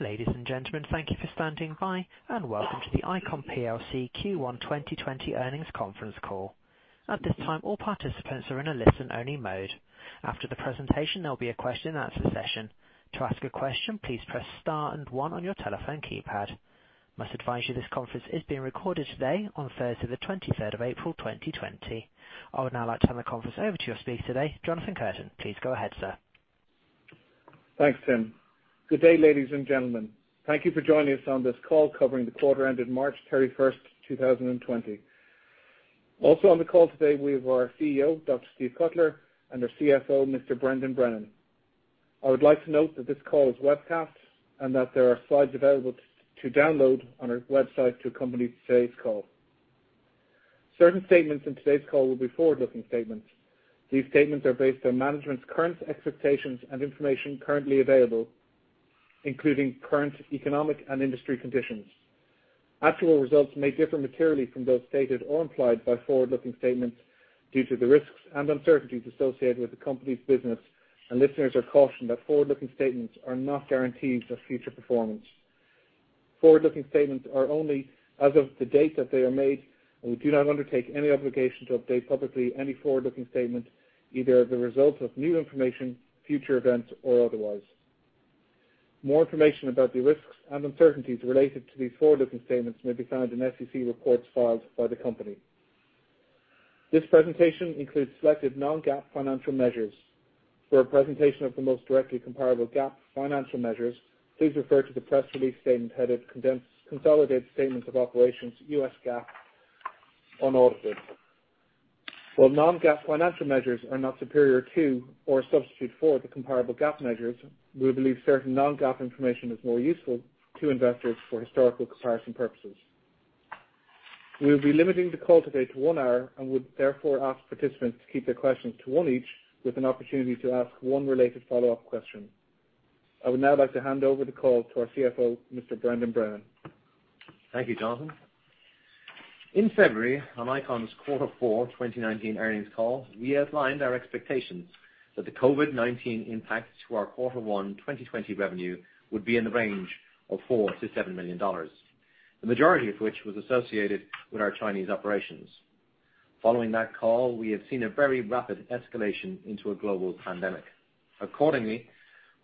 Ladies and gentlemen, thank you for standing by, and welcome to the ICON plc Q1 2020 earnings conference call. At this time, all participants are in a listen-only mode. After the presentation, there'll be a question and answer session. To ask a question, please press star and one on your telephone keypad. I must advise you this conference is being recorded today on Thursday, the 23rd of April 2020. I would now like to turn the conference over to your speaker today, Jonathan Curtin. Please go ahead, sir. Thanks, Tim. Good day, ladies and gentlemen. Thank you for joining us on this call covering the quarter ended March 31st, 2020. Also on the call today, we have our CEO, Dr. Steve Cutler, and our CFO, Mr. Brendan Brennan. I would like to note that this call is webcasted and that there are slides available to download on our website to accompany today's call. Certain statements in today's call will be forward-looking statements. These statements are based on management's current expectations and information currently available, including current economic and industry conditions. Actual results may differ materially from those stated or implied by forward-looking statements due to the risks and uncertainties associated with the company's business, and listeners are cautioned that forward-looking statements are not guarantees of future performance. Forward-looking statements are only as of the date that they are made, and we do not undertake any obligation to update publicly any forward-looking statement, either as a result of new information, future events, or otherwise. More information about the risks and uncertainties related to these forward-looking statements may be found in SEC reports filed by the company. This presentation includes selected non-GAAP financial measures. For a presentation of the most directly comparable GAAP financial measures, please refer to the press release statement headed Consolidated Statements of Operations, U.S. GAAP, unaudited. While non-GAAP financial measures are not superior to or a substitute for the comparable GAAP measures, we believe certain non-GAAP information is more useful to investors for historical comparison purposes. We will be limiting the call today to one hour and would therefore ask participants to keep their questions to one each with an opportunity to ask one related follow-up question. I would now like to hand over the call to our CFO, Mr. Brendan Brennan. Thank you, Jonathan. In February, on ICON's quarter four 2019 earnings call, we outlined our expectations that the COVID-19 impact to our quarter one 2020 revenue would be in the range of $4 million-$7 million. The majority of which was associated with our Chinese operations. Following that call, we have seen a very rapid escalation into a global pandemic. Accordingly,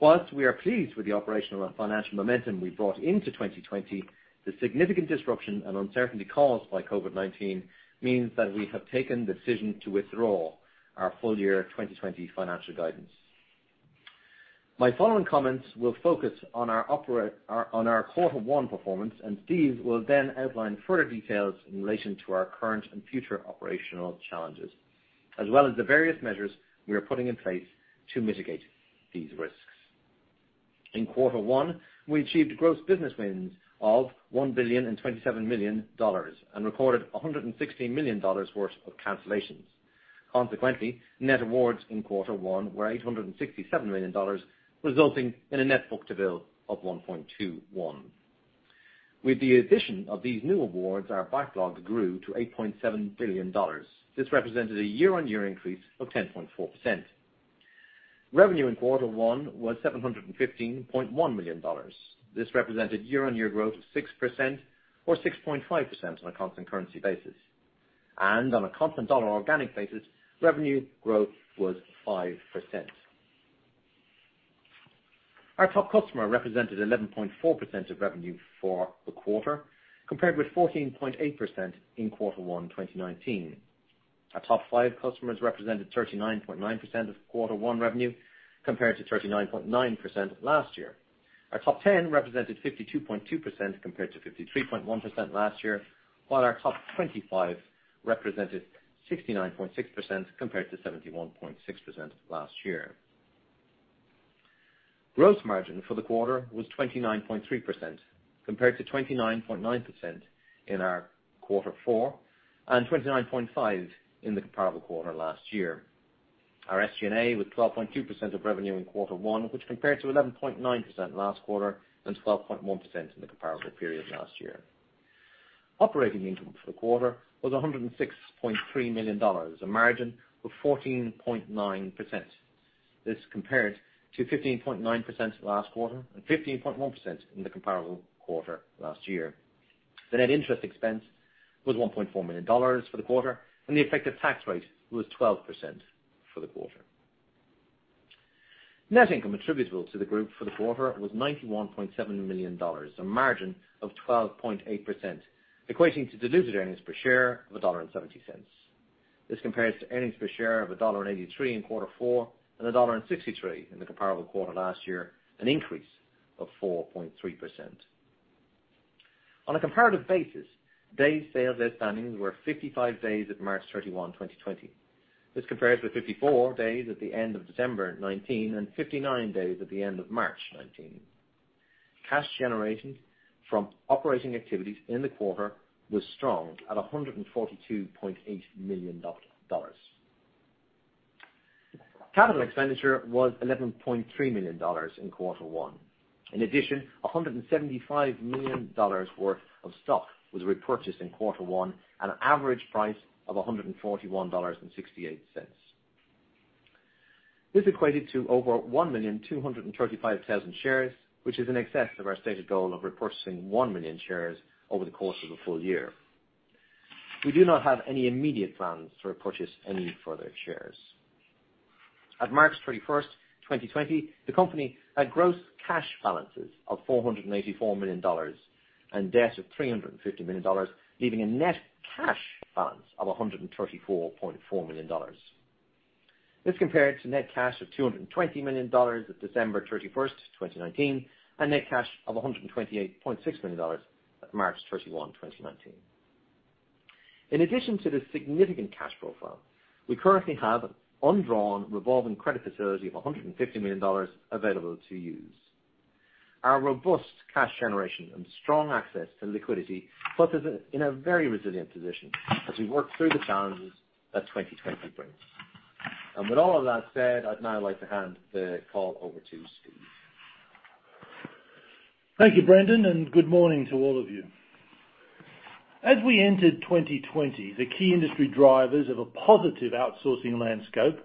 whilst we are pleased with the operational and financial momentum we brought into 2020, the significant disruption and uncertainty caused by COVID-19 means that we have taken the decision to withdraw our full year 2020 financial guidance. My following comments will focus on our quarter one performance, and Steve will then outline further details in relation to our current and future operational challenges. As well as the various measures we are putting in place to mitigate these risks. In quarter one, we achieved gross business wins of $1 billion and $27 million and recorded $160 million worth of cancellations. Consequently, net awards in quarter one were $867 million, resulting in a net book-to-bill of 1.21. With the addition of these new awards, our backlog grew to $8.7 billion. This represented a year-on-year increase of 10.4%. Revenue in quarter one was $715.1 million. This represented year-on-year growth of 6% or 6.5% on a constant currency basis. On a constant dollar organic basis, revenue growth was 5%. Our top customer represented 11.4% of revenue for the quarter, compared with 14.8% in quarter one, 2019. Our top five customers represented 39.9% of quarter one revenue, compared to 39.9% last year. Our top 10 represented 52.2% compared to 53.1% last year. While our top 25 represented 69.6% compared to 71.6% last year. Gross margin for the quarter was 29.3% compared to 29.9% in our quarter four and 29.5% in the comparable quarter last year. Our SG&A was 12.2% of revenue in quarter one, which compared to 11.9% last quarter and 12.1% in the comparable period last year. Operating income for the quarter was $106.3 million, a margin of 14.9%. This compared to 15.9% last quarter and 15.1% in the comparable quarter last year. The net interest expense was $1.4 million for the quarter, and the effective tax rate was 12% for the quarter. Net income attributable to the group for the quarter was $91.7 million, a margin of 12.8%, equating to diluted earnings per share of $1.70. This compares to earnings per share of $1.83 in quarter four and $1.63 in the comparable quarter last year, an increase of 4.3%. On a comparative basis, days sales outstanding were 55 days at March 31, 2020. This compares with 54 days at the end of December 2019 and 59 days at the end of March 2019. Cash generation from operating activities in the quarter was strong at $142.8 million. Capital expenditure was $11.3 million in quarter one. In addition, $175 million worth of stock was repurchased in quarter one at an average price of $141.68. This equated to over 1,235,000 shares, which is in excess of our stated goal of repurchasing 1 million shares over the course of a full year. We do not have any immediate plans to repurchase any further shares. At March 31st, 2020, the company had gross cash balances of $484 million and debt of $350 million, leaving a net cash balance of $134.4 million. This compared to net cash of $220 million at December 31st, 2019, and net cash of $128.6 million at March 31, 2019. In addition to this significant cash profile, we currently have undrawn revolving credit facility of $150 million available to use. Our robust cash generation and strong access to liquidity puts us in a very resilient position as we work through the challenges that 2020 brings. With all of that said, I'd now like to hand the call over to Steve. Thank you, Brendan, and good morning to all of you. As we entered 2020, the key industry drivers of a positive outsourcing landscape,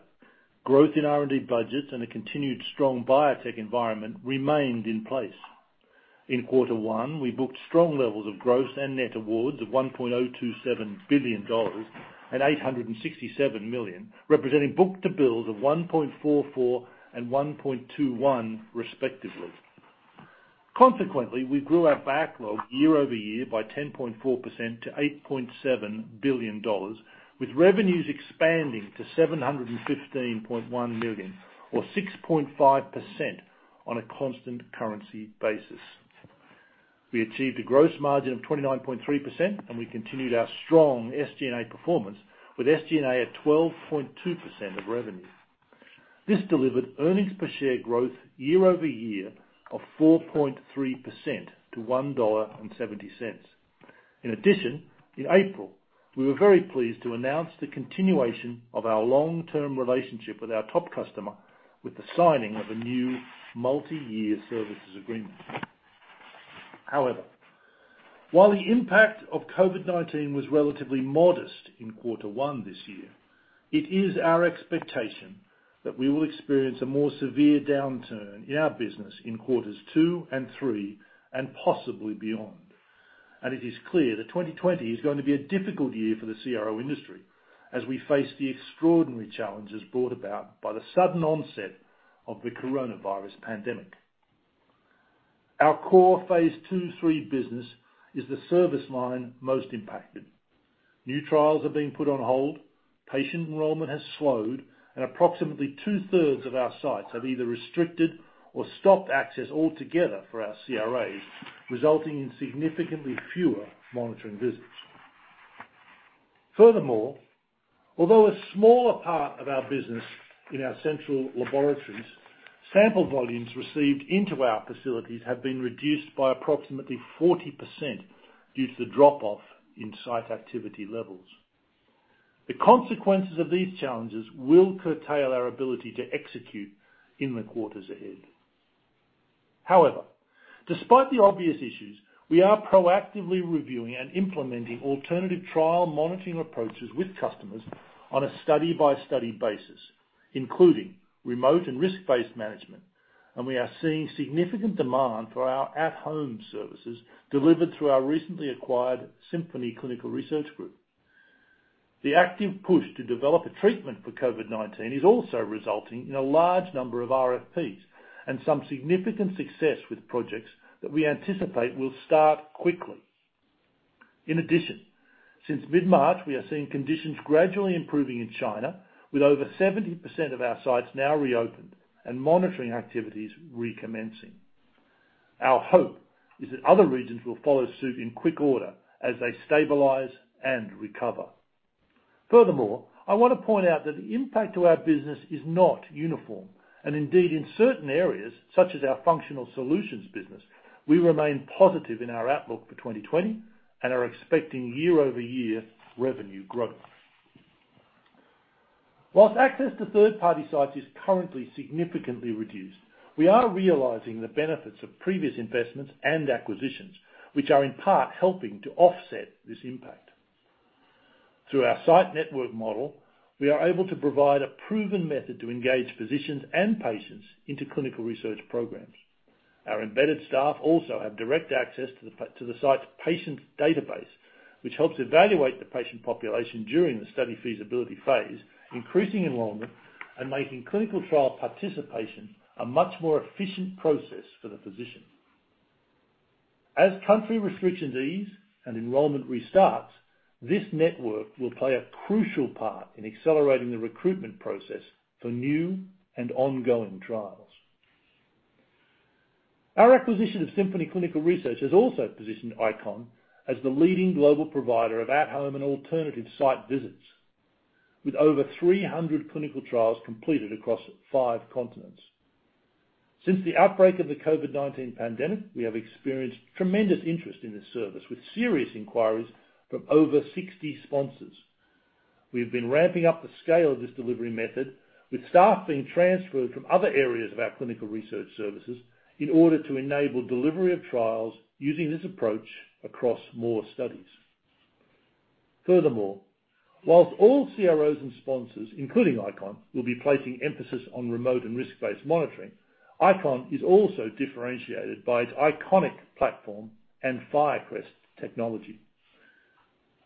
growth in R&D budgets, and a continued strong biotech environment remained in place. In quarter one, we booked strong levels of gross and net awards of $1.027 billion and $867 million, representing book-to-bills of 1.44 and 1.21, respectively. Consequently, we grew our backlog year-over-year by 10.4% to $8.7 billion, with revenues expanding to $715.1 million or 6.5% on a constant currency basis. We achieved a gross margin of 29.3%, and we continued our strong SG&A performance with SG&A at 12.2% of revenue. This delivered earnings per share growth year-over-year of 4.3% to $1.70. In addition, in April, we were very pleased to announce the continuation of our long-term relationship with our top customer with the signing of a new multi-year services agreement. However, while the impact of COVID-19 was relatively modest in quarter one this year, it is our expectation that we will experience a more severe downturn in our business in quarters two and three, and possibly beyond. It is clear that 2020 is going to be a difficult year for the CRO industry as we face the extraordinary challenges brought about by the sudden onset of the coronavirus pandemic. Our core phase II-III business is the service line most impacted. New trials are being put on hold, patient enrollment has slowed, and approximately two-thirds of our sites have either restricted or stopped access altogether for our CRAs, resulting in significantly fewer monitoring visits. Furthermore, although a smaller part of our business in our Central Laboratories, sample volumes received into our facilities have been reduced by approximately 40% due to the drop-off in site activity levels. The consequences of these challenges will curtail our ability to execute in the quarters ahead. Despite the obvious issues, we are proactively reviewing and implementing alternative trial monitoring approaches with customers on a study-by-study basis, including remote and risk-based management, and we are seeing significant demand for our at-home services delivered through our recently acquired Symphony Clinical Research Group. The active push to develop a treatment for COVID-19 is also resulting in a large number of RFPs and some significant success with projects that we anticipate will start quickly. Since mid-March, we are seeing conditions gradually improving in China, with over 70% of our sites now reopened and monitoring activities recommencing. Our hope is that other regions will follow suit in quick order as they stabilize and recover. Furthermore, I want to point out that the impact to our business is not uniform, and indeed, in certain areas, such as our functional solutions business, we remain positive in our outlook for 2020 and are expecting year-over-year revenue growth. While access to third-party sites is currently significantly reduced, we are realizing the benefits of previous investments and acquisitions, which are in part helping to offset this impact. Through our site network model, we are able to provide a proven method to engage physicians and patients into clinical research programs. Our embedded staff also have direct access to the site's patient database, which helps evaluate the patient population during the study feasibility phase, increasing enrollment and making clinical trial participation a much more efficient process for the physician. As country restrictions ease and enrollment restarts, this network will play a crucial part in accelerating the recruitment process for new and ongoing trials. Our acquisition of Symphony Clinical Research has also positioned ICON as the leading global provider of at-home and alternative site visits, with over 300 clinical trials completed across five continents. Since the outbreak of the COVID-19 pandemic, we have experienced tremendous interest in this service, with serious inquiries from over 60 sponsors. We have been ramping up the scale of this delivery method, with staff being transferred from other areas of our clinical research services in order to enable delivery of trials using this approach across more studies. Furthermore, whilst all CROs and sponsors, including ICON, will be placing emphasis on remote and risk-based monitoring, ICON is also differentiated by its ICONIK platform and FIRECREST technology.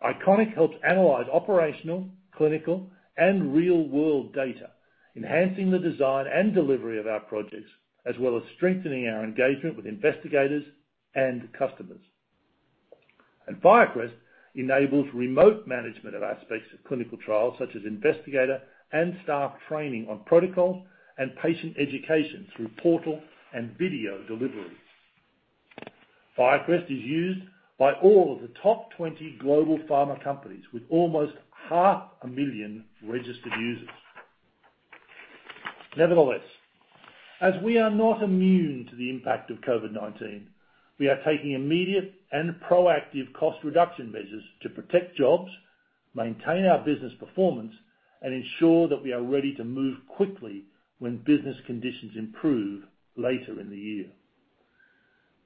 ICONIK helps analyze operational, clinical, and real world data, enhancing the design and delivery of our projects, as well as strengthening our engagement with investigators and customers. FIRECREST enables remote management of aspects of clinical trials such as investigator and staff training on protocol and patient education through portal and video deliveries. FIRECREST is used by all of the top 20 global pharma companies with almost half a million registered users. Nevertheless, as we are not immune to the impact of COVID-19, we are taking immediate and proactive cost reduction measures to protect jobs, maintain our business performance, and ensure that we are ready to move quickly when business conditions improve later in the year.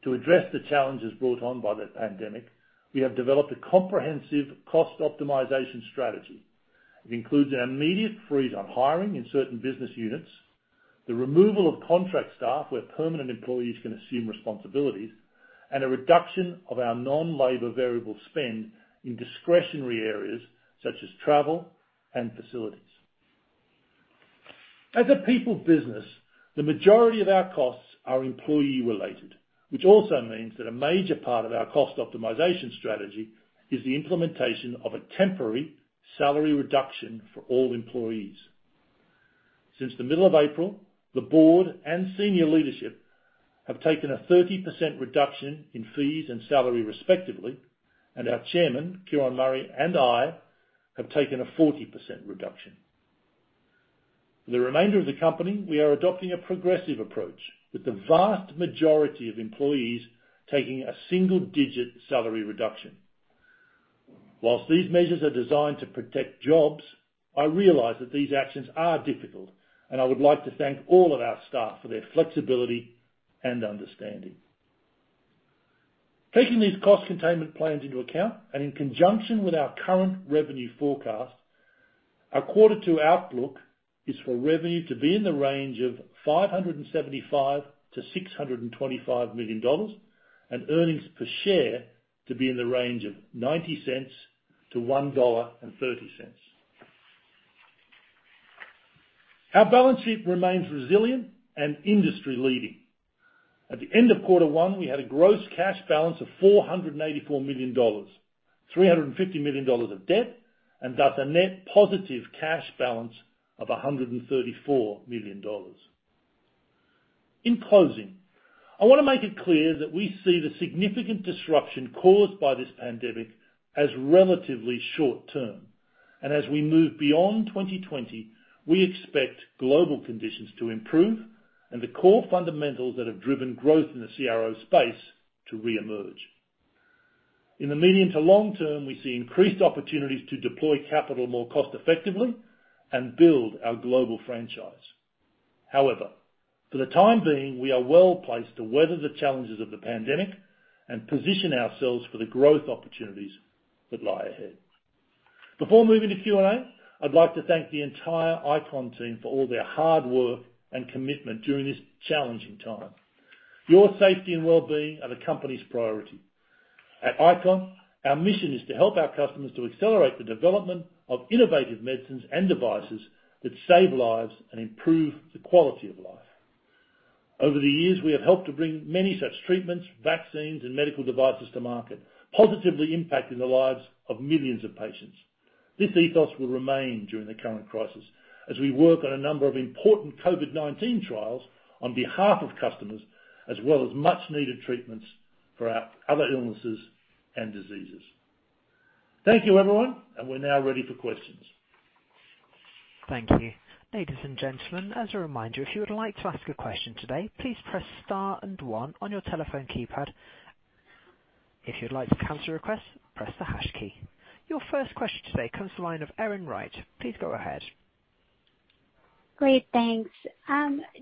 To address the challenges brought on by the pandemic, we have developed a comprehensive cost optimization strategy. It includes an immediate freeze on hiring in certain business units, the removal of contract staff where permanent employees can assume responsibilities, and a reduction of our non-labor variable spend in discretionary areas such as travel and facilities. As a people business, the majority of our costs are employee-related, which also means that a major part of our cost optimization strategy is the implementation of a temporary salary reduction for all employees. Since the middle of April, the board and senior leadership have taken a 30% reduction in fees and salary, respectively, and our chairman, Ciaran Murray, and I have taken a 40% reduction. For the remainder of the company, we are adopting a progressive approach, with the vast majority of employees taking a single-digit salary reduction. Whilst these measures are designed to protect jobs, I realize that these actions are difficult, and I would like to thank all of our staff for their flexibility and understanding. Taking these cost containment plans into account, and in conjunction with our current revenue forecast, our quarter two outlook is for revenue to be in the range of $575 million-$625 million, and earnings per share to be in the range of $0.90-$1.30. Our balance sheet remains resilient and industry leading. At the end of quarter one, we had a gross cash balance of $484 million, $350 million of debt, and thus a net positive cash balance of $134 million. In closing, I want to make it clear that we see the significant disruption caused by this pandemic as relatively short-term, and as we move beyond 2020, we expect global conditions to improve and the core fundamentals that have driven growth in the CRO space to reemerge. In the medium to long term, we see increased opportunities to deploy capital more cost effectively and build our global franchise. For the time being, we are well-placed to weather the challenges of the pandemic and position ourselves for the growth opportunities that lie ahead. Before moving to Q&A, I'd like to thank the entire ICON team for all their hard work and commitment during this challenging time. Your safety and wellbeing are the company's priority. At ICON, our mission is to help our customers to accelerate the development of innovative medicines and devices that save lives and improve the quality of life. Over the years, we have helped to bring many such treatments, vaccines, and medical devices to market, positively impacting the lives of millions of patients. This ethos will remain during the current crisis as we work on a number of important COVID-19 trials on behalf of customers, as well as much-needed treatments for other illnesses and diseases. Thank you, everyone, and we're now ready for questions. Thank you. Ladies and gentlemen, as a reminder, if you would like to ask a question today, please press star and one on your telephone keypad. If you'd like to cancel your request, press the hash key. Your first question today comes the line of Erin Wright. Please go ahead. Great. Thanks.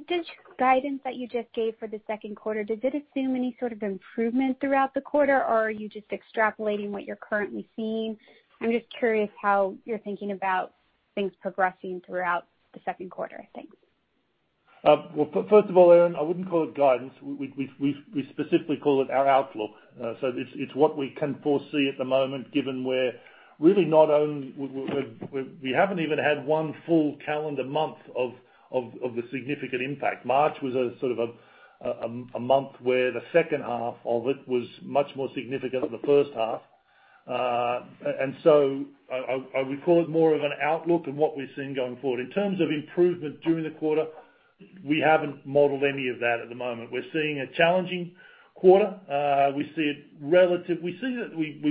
This guidance that you just gave for the second quarter, did it assume any sort of improvement throughout the quarter, or are you just extrapolating what you're currently seeing? I'm just curious how you're thinking about things progressing throughout the second quarter. Thanks. Well, first of all, Erin, I wouldn't call it guidance. We specifically call it our outlook. It's what we can foresee at the moment, given we haven't even had one full calendar month of the significant impact. March was a sort of a month where the second half of it was much more significant than the first half. I would call it more of an outlook of what we're seeing going forward. In terms of improvement during the quarter, we haven't modeled any of that at the moment. We're seeing a challenging quarter. We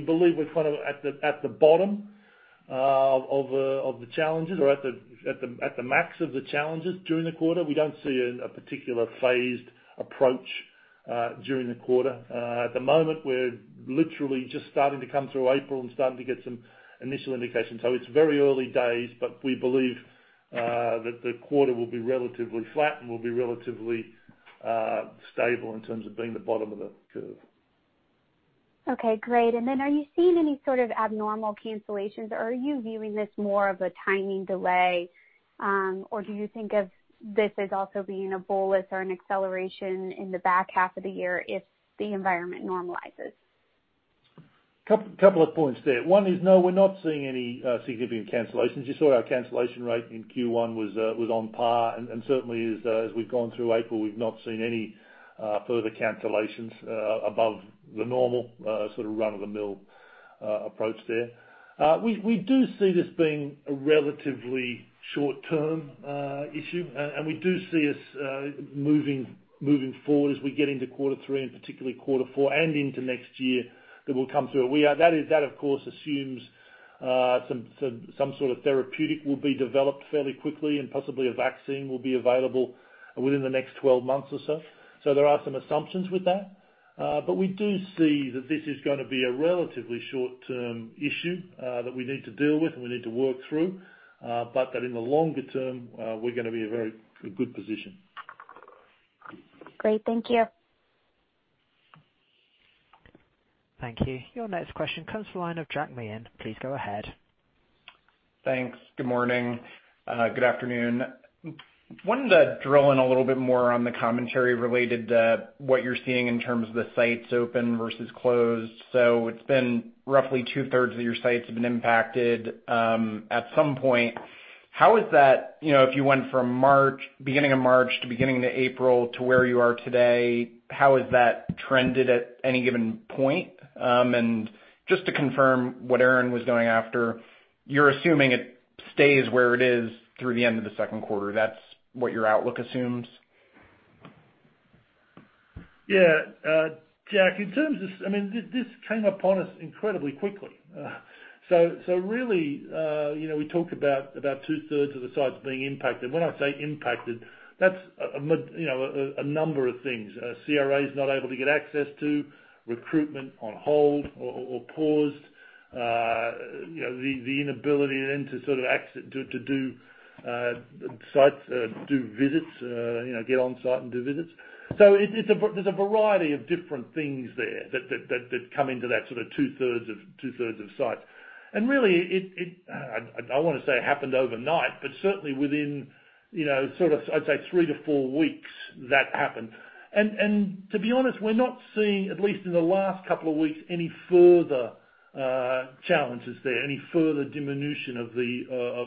believe we're at the bottom of the challenges or at the max of the challenges during the quarter. We don't see a particular phased approach during the quarter. At the moment, we're literally just starting to come through April and starting to get some initial indications. It's very early days, but we believe that the quarter will be relatively flat and will be relatively stable in terms of being the bottom of the curve. Okay, great. Are you seeing any sort of abnormal cancellations or are you viewing this more of a timing delay? Or do you think of this as also being a [bolus] or an acceleration in the back half of the year if the environment normalizes? Couple of points there. One is, no, we're not seeing any significant cancellations. You saw our cancellation rate in Q1 was on par, and certainly as we've gone through April, we've not seen any further cancellations above the normal run-of-the-mill approach there. We do see this being a relatively short-term issue. We do see us moving forward as we get into quarter three and particularly quarter four and into next year, that will come through. That, of course, assumes some sort of therapeutic will be developed fairly quickly and possibly a vaccine will be available within the next 12 months or so. There are some assumptions with that. We do see that this is going to be a relatively short-term issue that we need to deal with and we need to work through. That in the longer term, we're going to be in a very good position. Great. Thank you. Thank you. Your next question comes from the line of Jack Meehan. Please go ahead. Thanks. Good morning. Good afternoon. I wanted to drill in a little bit more on the commentary related to what you're seeing in terms of the sites open versus closed. It's been roughly two-thirds of your sites have been impacted at some point. If you went from beginning of March to beginning of April to where you are today, how has that trended at any given point? Just to confirm what Erin was going after, you're assuming it stays where it is through the end of the second quarter. That's what your outlook assumes? Yeah. Jack, this came upon us incredibly quickly. Really, we talk about two-thirds of the sites being impacted. When I say impacted, that's a number of things. CRAs not able to get access to, recruitment on hold or paused. The inability to do visits, get on-site and do visits. There's a variety of different things there that come into that two-thirds of sites. Really, I don't want to say it happened overnight, but certainly within, I'd say three to four weeks, that happened. To be honest, we're not seeing, at least in the last couple of weeks, any further challenges there, any further diminution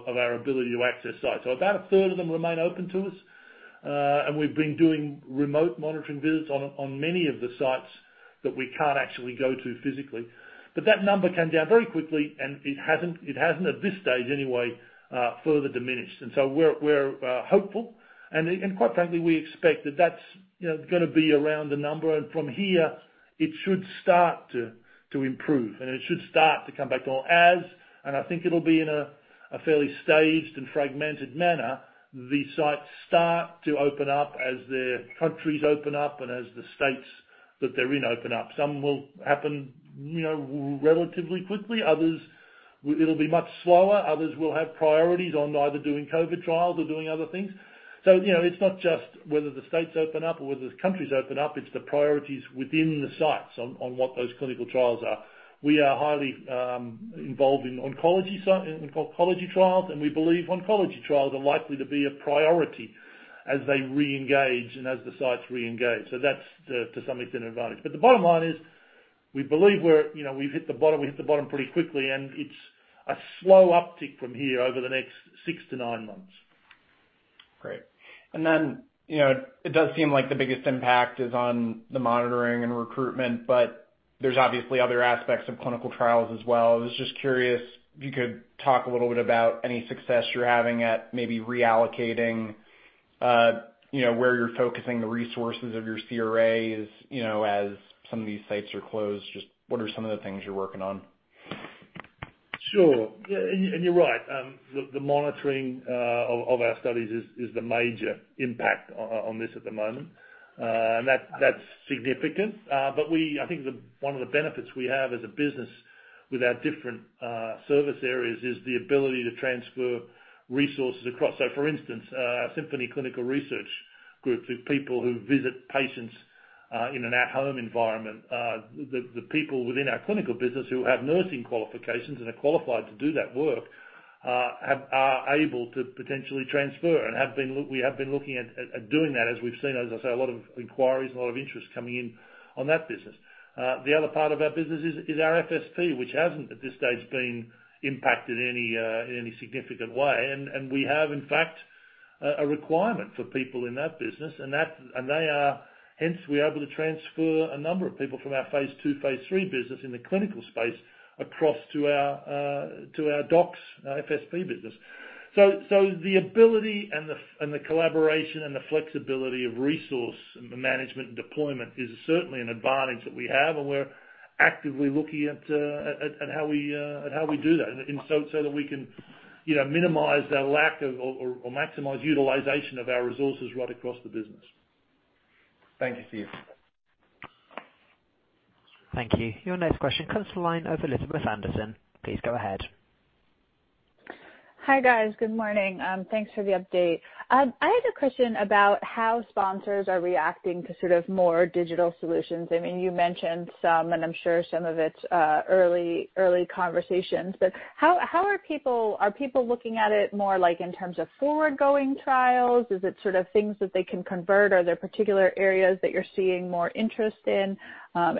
of our ability to access sites. About a third of them remain open to us. We've been doing remote monitoring visits on many of the sites that we can't actually go to physically. That number came down very quickly, and it hasn't, at this stage anyway, further diminished. We're hopeful. Quite frankly, we expect that that's going to be around the number, and from here, it should start to improve, and it should start to come back on. I think it'll be in a fairly staged and fragmented manner, the sites start to open up as their countries open up and as the states that they're in open up. Some will happen relatively quickly. Others, it'll be much slower. Others will have priorities on either doing COVID trials or doing other things. It's not just whether the states open up or whether the countries open up, it's the priorities within the sites on what those clinical trials are. We are highly involved in oncology trials, and we believe oncology trials are likely to be a priority as they reengage and as the sites reengage. That's to some extent an advantage. The bottom line is, we believe we've hit the bottom pretty quickly, and it's a slow uptick from here over the next six to nine months. Great. It does seem like the biggest impact is on the monitoring and recruitment, but there's obviously other aspects of clinical trials as well. I was just curious if you could talk a little bit about any success you're having at maybe reallocating where you're focusing the resources of your CRAs, as some of these sites are closed. Just what are some of the things you're working on? Sure. You're right. The monitoring of our studies is the major impact on this at the moment. That's significant. I think one of the benefits we have as a business with our different service areas is the ability to transfer resources across. For instance, our Symphony Clinical Research Group, the people who visit patients in an at-home environment. The people within our clinical business who have nursing qualifications and are qualified to do that work, are able to potentially transfer and we have been looking at doing that as we've seen, as I say, a lot of inquiries, a lot of interest coming in on that business. The other part of our business is our FSP, which hasn't, at this stage, been impacted in any significant way. We have, in fact, a requirement for people in that business, hence, we're able to transfer a number of people from our phase II, phase III business in the clinical space across to our DOCS, our FSP business. The ability and the collaboration and the flexibility of resource management and deployment is certainly an advantage that we have, and we're actively looking at how we do that so that we can minimize our lack of or maximize utilization of our resources right across the business. Thank you, Steve. Thank you. Your next question comes to the line of Elizabeth Anderson. Please go ahead. Hi, guys. Good morning. Thanks for the update. I had a question about how sponsors are reacting to more digital solutions. You mentioned some, and I'm sure some of it's early conversations, but are people looking at it more in terms of forward-going trials? Is it things that they can convert? Are there particular areas that you're seeing more interest in?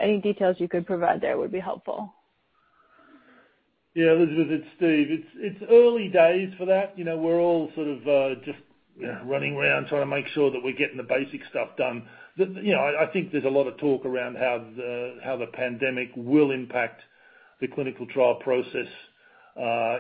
Any details you could provide there would be helpful. Yeah, Elizabeth, it's Steve. It's early days for that. We're all just running around trying to make sure that we're getting the basic stuff done. I think there's a lot of talk around how the pandemic will impact the clinical trial process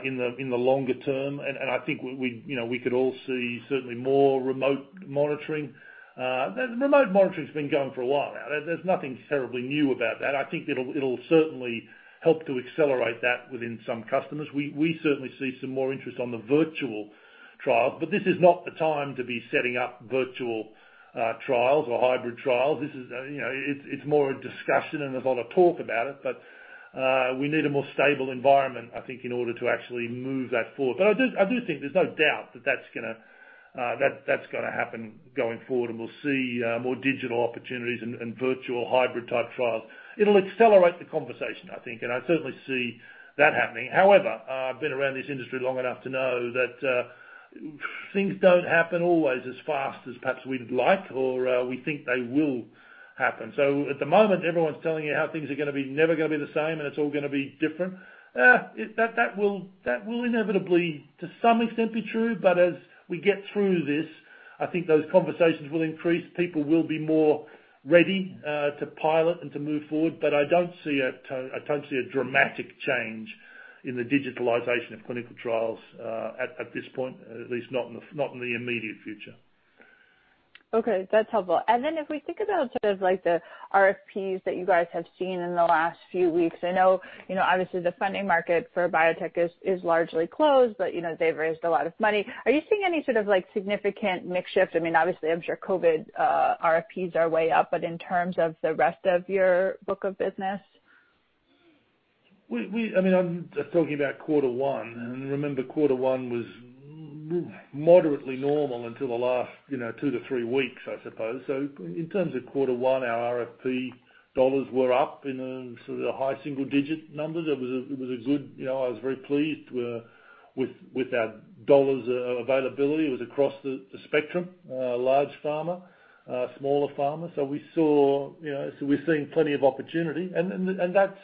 in the longer term. I think we could all see certainly more remote monitoring. Remote monitoring's been going for a while now. There's nothing terribly new about that. I think it'll certainly help to accelerate that within some customers. We certainly see some more interest on the virtual trials, but this is not the time to be setting up virtual trials or hybrid trials. It's more a discussion, there's a lot of talk about it, but we need a more stable environment, I think, in order to actually move that forward. I do think there's no doubt that that's going to happen going forward, and we'll see more digital opportunities and virtual hybrid-type trials. It'll accelerate the conversation, I think, and I certainly see that happening. However, I've been around this industry long enough to know that things don't happen always as fast as perhaps we'd like or we think they will happen. At the moment, everyone's telling you how things are never going to be the same, and it's all going to be different. That will inevitably, to some extent, be true. As we get through this, I think those conversations will increase. People will be more ready to pilot and to move forward. I don't see a dramatic change in the digitalization of clinical trials at this point, at least not in the immediate future. Okay, that's helpful. If we think about the RFPs that you guys have seen in the last few weeks, I know, obviously, the funding market for biotech is largely closed, but they've raised a lot of money. Are you seeing any significant mix shift? Obviously, I'm sure, after COVID, RFPs are way up, but in terms of the rest of your book of business? I'm talking about quarter one, and remember, quarter one was moderately normal until the last two to three weeks, I suppose. In terms of quarter one, our RFP dollars were up in high single-digit numbers. I was very pleased with our dollars availability. It was across the spectrum, large pharma, smaller pharma. We're seeing plenty of opportunity, and that's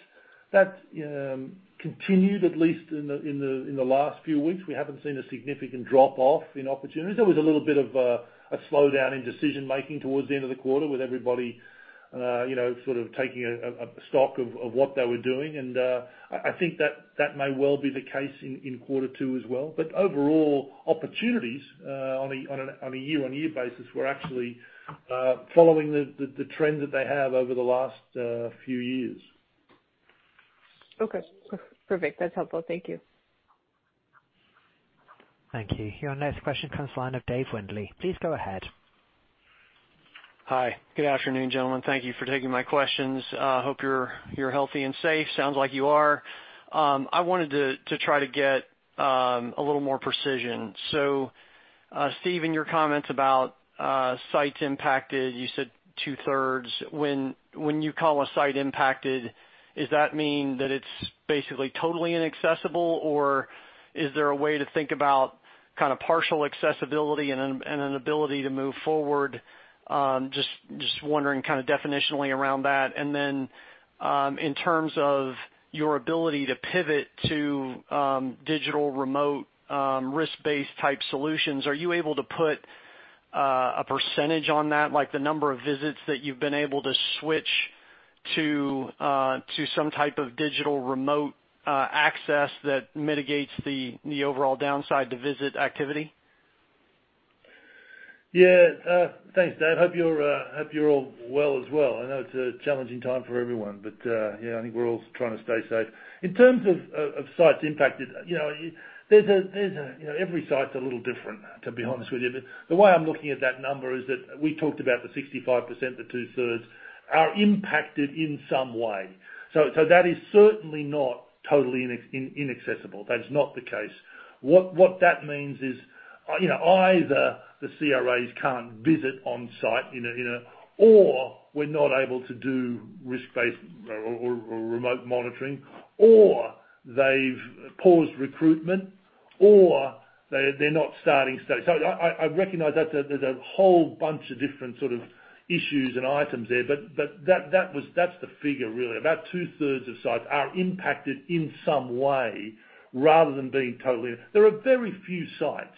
continued, at least in the last few weeks. We haven't seen a significant drop-off in opportunities. There was a little bit of a slowdown in decision-making towards the end of the quarter with everybody taking stock of what they were doing. I think that may well be the case in quarter two as well. Overall, opportunities on a year-over-year basis were actually following the trend that they have over the last few years. Okay, perfect. That's helpful. Thank you. Thank you. Your next question comes from the line of Dave Windley. Please go ahead. Hi. Good afternoon, gentlemen. Thank you for taking my questions. Hope you're healthy and safe. Sounds like you are. I wanted to try to get a little more precision. So Steve, in your comments about sites impacted, you said two-thirds. When you call a site impacted, does that mean that it's basically totally inaccessible, or is there a way to think about partial accessibility and an ability to move forward? Just wondering definitionally around that. Then, in terms of your ability to pivot to digital, remote, risk-based type solutions, are you able to put a percentage on that, like the number of visits that you've been able to switch to some type of digital remote access that mitigates the overall downside to visit activity? Yeah. Thanks, Dave. Hope you're all well as well. I know it's a challenging time for everyone, but I think we're all trying to stay safe. The way I'm looking at that number is that we talked about the 65%, the two-thirds are impacted in some way. That is certainly not totally inaccessible. That is not the case. What that means is either the CRAs can't visit on-site, or we're not able to do risk-based or remote monitoring, or they've paused recruitment, or they're not starting studies. I recognize that there's a whole bunch of different sort of issues and items there, but that's the figure really. About two-thirds of sites are impacted in some way rather than being totally. There are very few sites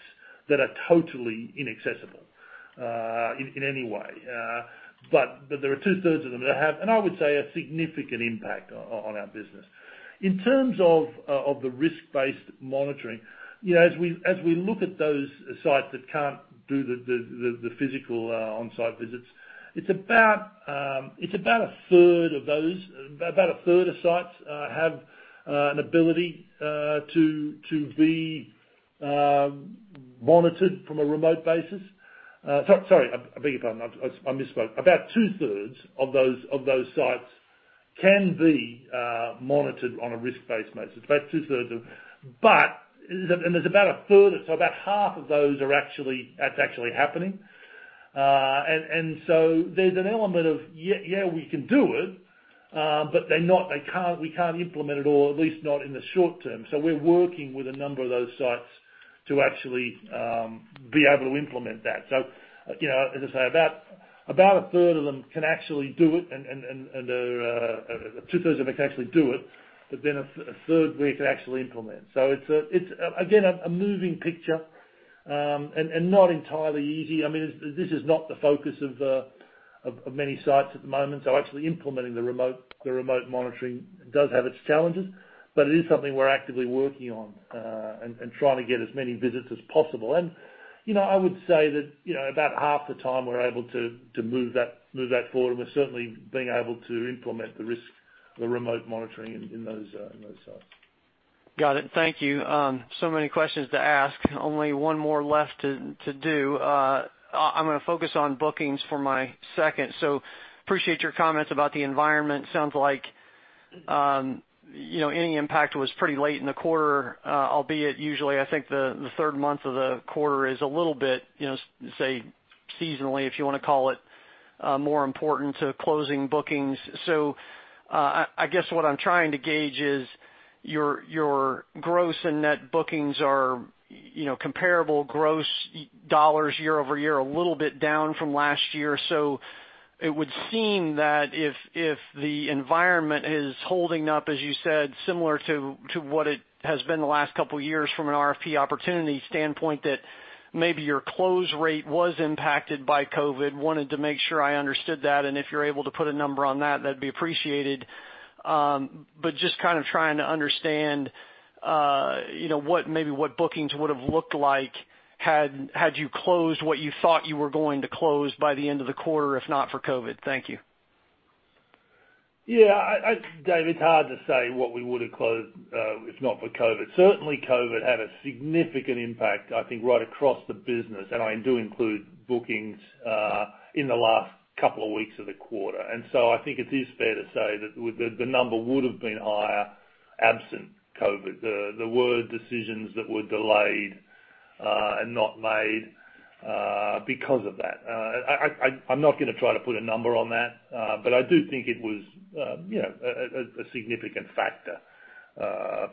that are totally inaccessible in any way. There are two-thirds of them that have, and I would say, a significant impact on our business. In terms of the risk-based monitoring, as we look at those sites that can't do the physical on-site visits, it's about a third of those. About a third of sites have an ability to be monitored from a remote basis. Sorry, I beg your pardon. I misspoke. About two-thirds of those sites can be monitored on a risk-based basis. About two-thirds of them. There's about a third, so about half of those, that's actually happening. There's an element of, yeah, we can do it, but we can't implement it all, at least not in the short term. We're working with a number of those sites to actually be able to implement that. As I say, about a third of them can actually do it, and two-thirds of them can actually do it, but then a third we can actually implement. It's, again, a moving picture, and not entirely easy. This is not the focus of many sites at the moment. Actually implementing the remote monitoring does have its challenges, but it is something we're actively working on, and trying to get as many visits as possible. I would say that, about half the time we're able to move that forward, and we're certainly being able to implement the remote monitoring in those sites. Got it. Thank you. Many questions to ask, only one more left to do. Appreciate your comments about the environment. Sounds like any impact was pretty late in the quarter, albeit usually, I think the third month of the quarter is a little bit, say, seasonally, if you want to call it, more important to closing bookings. I guess what I'm trying to gauge is your gross and net bookings are comparable gross dollars year over year, a little bit down from last year. It would seem that if the environment is holding up, as you said, similar to what it has been the last couple of years from an RFP opportunity standpoint, that maybe your close rate was impacted by COVID. Wanted to make sure I understood that, and if you're able to put a number on that'd be appreciated. Just trying to understand maybe what bookings would've looked like had you closed what you thought you were going to close by the end of the quarter, if not for COVID? Thank you. Yeah. Dave, it's hard to say what we would've closed, if not for COVID. Certainly, COVID had a significant impact, I think, right across the business, and I do include bookings, in the last couple of weeks of the quarter. I think it is fair to say that the number would've been higher absent COVID. There were decisions that were delayed, and not made because of that. I'm not going to try to put a number on that. I do think it was a significant factor,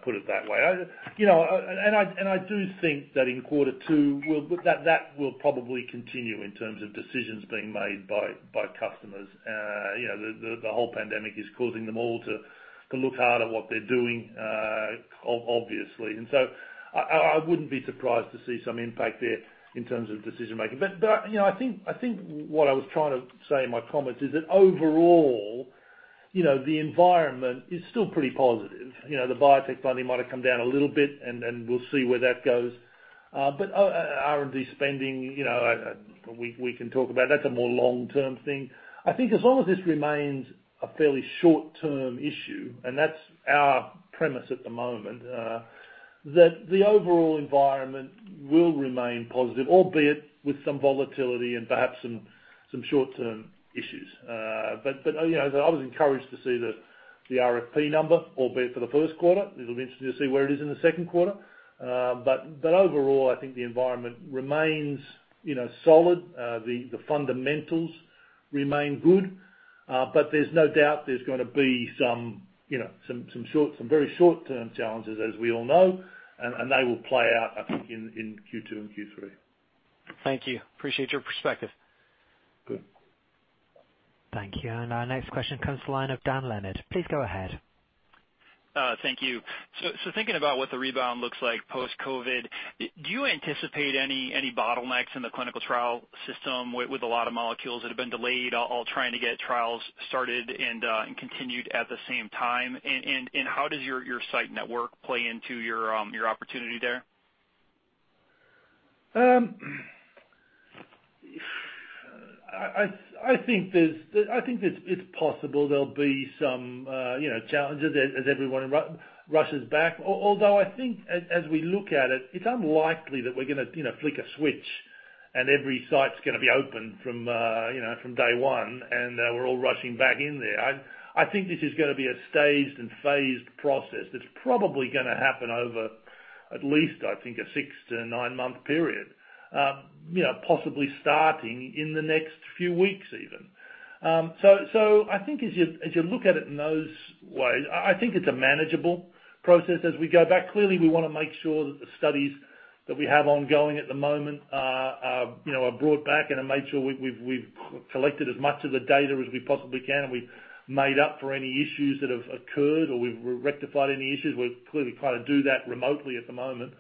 put it that way. I do think that in quarter two, that will probably continue in terms of decisions being made by customers. The whole pandemic is causing them all to look hard at what they're doing, obviously. I wouldn't be surprised to see some impact there in terms of decision-making. I think what I was trying to say in my comments is that overall, the environment is still pretty positive. The biotech funding might have come down a little bit, and we'll see where that goes. R&D spending, we can talk about. That's a more long-term thing. I think as long as this remains a fairly short-term issue, and that's our premise at the moment, that the overall environment will remain positive, albeit with some volatility and perhaps some short-term issues. I was encouraged to see the RFP number, albeit for the first quarter. It'll be interesting to see where it is in the second quarter. Overall, I think the environment remains solid. The fundamentals remain good. There's no doubt there's going to be some very short-term challenges, as we all know. They will play out, I think, in Q2 and Q3. Thank you. Appreciate your perspective. Thank you. Our next question comes to the line of Dan Leonard. Please go ahead. Thank you. Thinking about what the rebound looks like post-COVID, do you anticipate any bottlenecks in the clinical trial system with a lot of molecules that have been delayed, all trying to get trials started and continued at the same time? How does your site network play into your opportunity there? I think it's possible there'll be some challenges as everyone rushes back. I think as we look at it's unlikely that we're going to flick a switch and every site's going to be open from day one, and we're all rushing back in there. I think this is going to be a staged and phased process that's probably going to happen over at least, I think, a six to nine month period. Possibly starting in the next few weeks, even. I think as you look at it in those ways, I think it's a manageable process as we go back. Clearly, we want to make sure that the studies that we have ongoing at the moment are brought back and have made sure we've collected as much of the data as we possibly can, and we've made up for any issues that have occurred, or we've rectified any issues. We're clearly trying to do that remotely at the moment.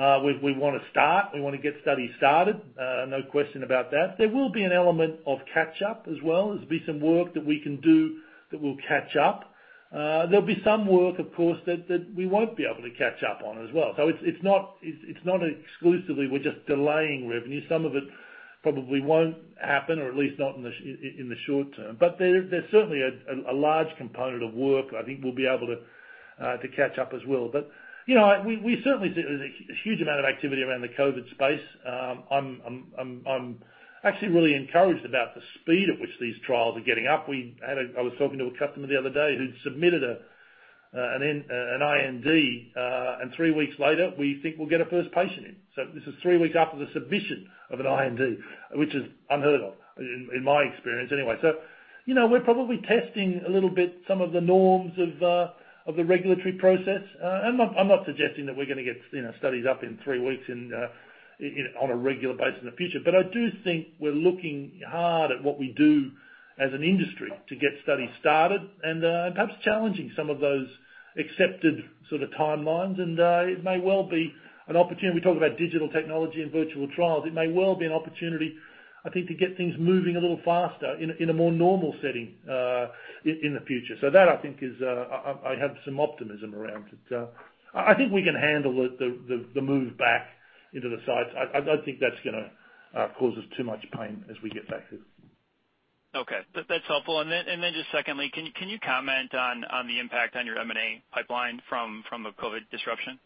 We want to start. We want to get studies started. No question about that. There will be an element of catch-up as well. There'll be some work that we can do that will catch up. There'll be some work, of course, that we won't be able to catch up on as well. It's not exclusively we're just delaying revenue. Some of it probably won't happen, or at least not in the short term. There's certainly a large component of work I think we'll be able to catch up as well. We certainly see there's a huge amount of activity around the COVID space. I'm actually really encouraged about the speed at which these trials are getting up. I was talking to a customer the other day who'd submitted an IND, and three weeks later, we think we'll get a first patient in. This is three weeks after the submission of an IND, which is unheard of, in my experience anyway. We're probably testing a little bit some of the norms of the regulatory process. I'm not suggesting that we're going to get studies up in three weeks on a regular basis in the future. I do think we're looking hard at what we do as an industry to get studies started and perhaps challenging some of those accepted timelines. It may well be an opportunity. We talk about digital technology and virtual trials. It may well be an opportunity, I think, to get things moving a little faster in a more normal setting, in the future. That I think is I have some optimism around it. I think we can handle the move back into the sites. I don't think that's going to cause us too much pain as we get back to it. Okay. That's helpful. Just secondly, can you comment on the impact on your M&A pipeline from the COVID disruption?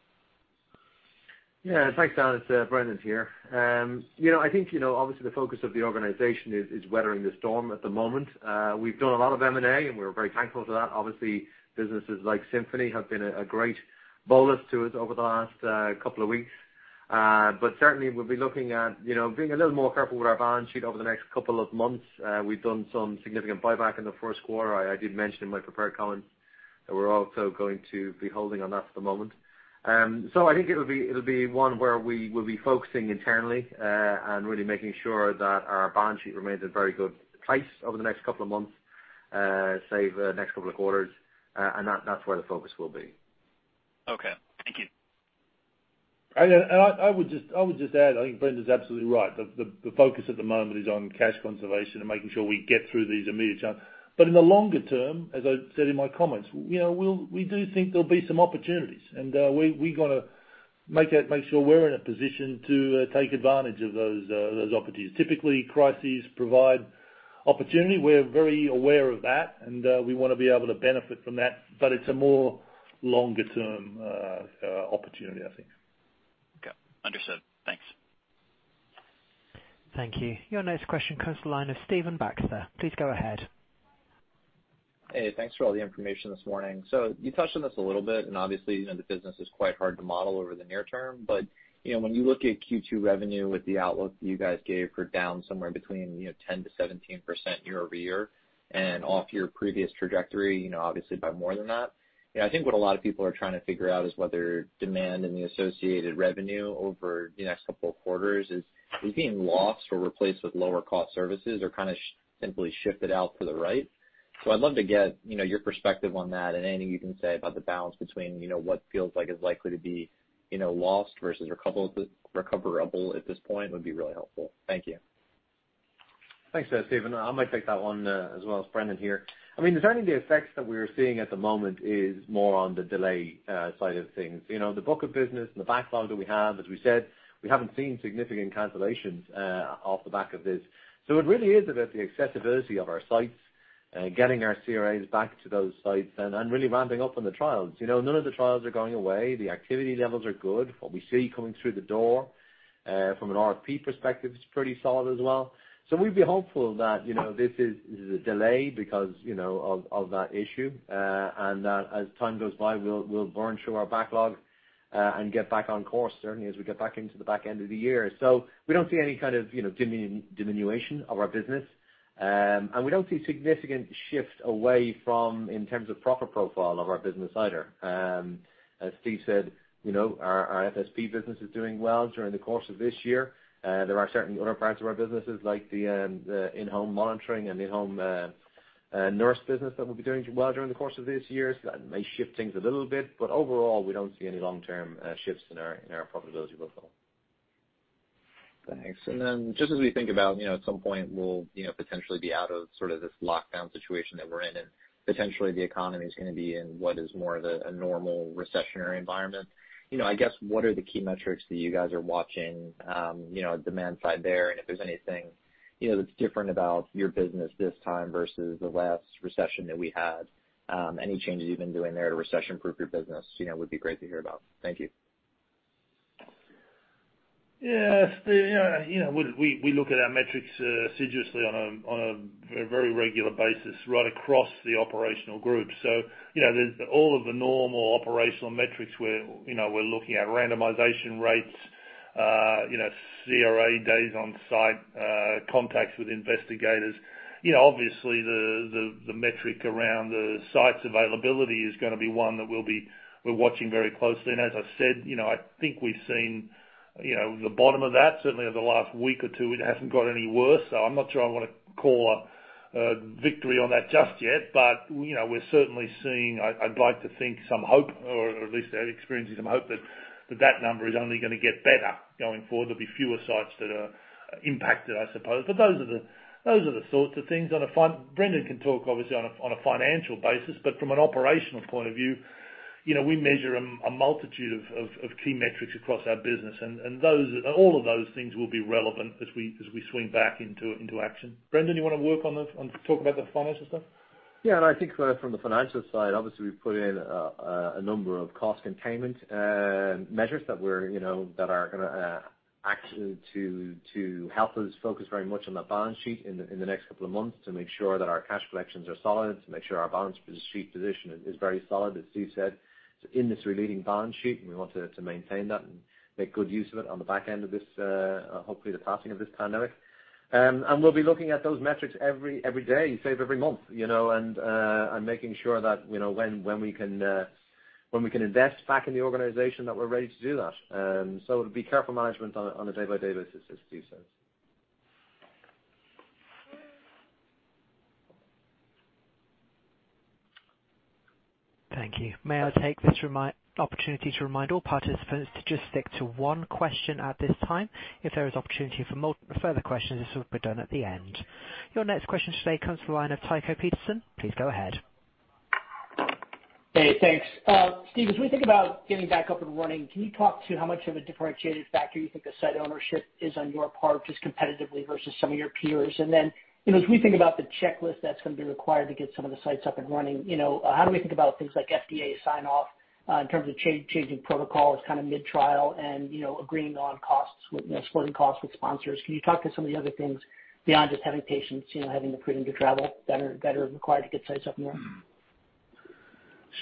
Yeah. Thanks, Dan. Brendan here. I think obviously the focus of the organization is weathering the storm at the moment. We've done a lot of M&A, and we're very thankful for that. Obviously, businesses like Symphony have been a great bolus to us over the last couple of weeks. Certainly, we'll be looking at being a little more careful with our balance sheet over the next couple of months. We've done some significant buyback in the first quarter. I did mention in my prepared comments that we're also going to be holding on that for the moment. I think it'll be one where we will be focusing internally, and really making sure that our balance sheet remains in very good place over the next couple of months, say the next couple of quarters, and that's where the focus will be. Okay. Thank you. I would just add, I think Brendan's absolutely right. The focus at the moment is on cash conservation and making sure we get through these immediate challenges. In the longer term, as I said in my comments, we do think there'll be some opportunities, and we've got to make sure we're in a position to take advantage of those opportunities. Typically, crises provide opportunity. We're very aware of that, and we want to be able to benefit from that, but it's a more longer-term opportunity, I think. Okay. Understood. Thanks. Thank you. Your next question comes to the line of Stephen Baxter. Please go ahead. Hey, thanks for all the information this morning. You touched on this a little bit, and obviously, the business is quite hard to model over the near term. When you look at Q2 revenue with the outlook that you guys gave for down somewhere between 10%-17% year-over-year, and off your previous trajectory, obviously by more than that. I think what a lot of people are trying to figure out is whether demand and the associated revenue over the next couple of quarters is being lost or replaced with lower cost services or kind of simply shifted out to the right I'd love to get your perspective on that and anything you can say about the balance between what feels like is likely to be lost versus recoverable at this point would be really helpful. Thank you. Thanks, Stephen. I might take that one as well. It's Brendan here. Certainly the effects that we are seeing at the moment is more on the delay side of things. The book of business and the backlog that we have, as we said, we haven't seen significant cancellations off the back of this. It really is about the accessibility of our sites, getting our CRAs back to those sites and really ramping up on the trials. None of the trials are going away. The activity levels are good. What we see coming through the door, from an RFP perspective, is pretty solid as well. We'd be hopeful that this is a delay because of that issue. That as time goes by, we'll burn through our backlog, and get back on course, certainly as we get back into the back end of the year. We don't see any kind of diminution of our business. We don't see significant shift away from in terms of proper profile of our business either. As Steve said, our FSP business is doing well during the course of this year. There are certainly other parts of our businesses like the in-home monitoring and in-home nurse business that will be doing well during the course of this year. That may shift things a little bit, but overall, we don't see any long-term shifts in our profitability profile. Thanks. Just as we think about at some point, we'll potentially be out of sort of this lockdown situation that we're in, and potentially the economy is going to be in what is more of a normal recessionary environment. I guess, what are the key metrics that you guys are watching demand side there? If there's anything that's different about your business this time versus the last recession that we had? Any changes you've been doing there to recession-proof your business would be great to hear about. Thank you. Yeah. We look at our metrics assiduously on a very regular basis right across the operational group. There's all of the normal operational metrics where we're looking at randomization rates, CRA days on site, contacts with investigators. Obviously, the metric around the sites availability is going to be one that we're watching very closely. As I said, I think we've seen the bottom of that. Certainly over the last week or two, it hasn't got any worse. I'm not sure I want to call a victory on that just yet, but we're certainly seeing, I'd like to think, some hope, or at least experiencing some hope that that number is only going to get better going forward. There'll be fewer sites that are impacted, I suppose. Those are the sorts of things. Brendan can talk obviously on a financial basis, but from an operational point of view. We measure a multitude of key metrics across our business, and all of those things will be relevant as we swing back into action. Brendan, you want to work on this, talk about the financial stuff? Yeah. I think from the financial side, obviously, we've put in a number of cost containment measures that are going to act to help us focus very much on the balance sheet in the next couple of months to make sure that our cash collections are solid, to make sure our balance sheet position is very solid, as Steve said. In this relating balance sheet, we want to maintain that and make good use of it on the back end of this, hopefully, the passing of this pandemic. We'll be looking at those metrics every day, save every month, and making sure that when we can invest back in the organization, that we're ready to do that. It'll be careful management on a day-by-day basis, as Steve says. Thank you. May I take this opportunity to remind all participants to just stick to one question at this time. If there is opportunity for further questions, this will be done at the end. Your next question today comes from the line of Tycho Peterson. Please go ahead. Hey, thanks. Steve, as we think about getting back up and running, can you talk to how much of a differentiated factor you think the site ownership is on your part, just competitively versus some of your peers? As we think about the checklist that's going to be required to get some of the sites up and running, how do we think about things like FDA sign-off, in terms of changing protocols, kind of mid-trial and agreeing on supporting costs with sponsors? Can you talk to some of the other things beyond just having patients, having the freedom to travel that are required to get sites up and running?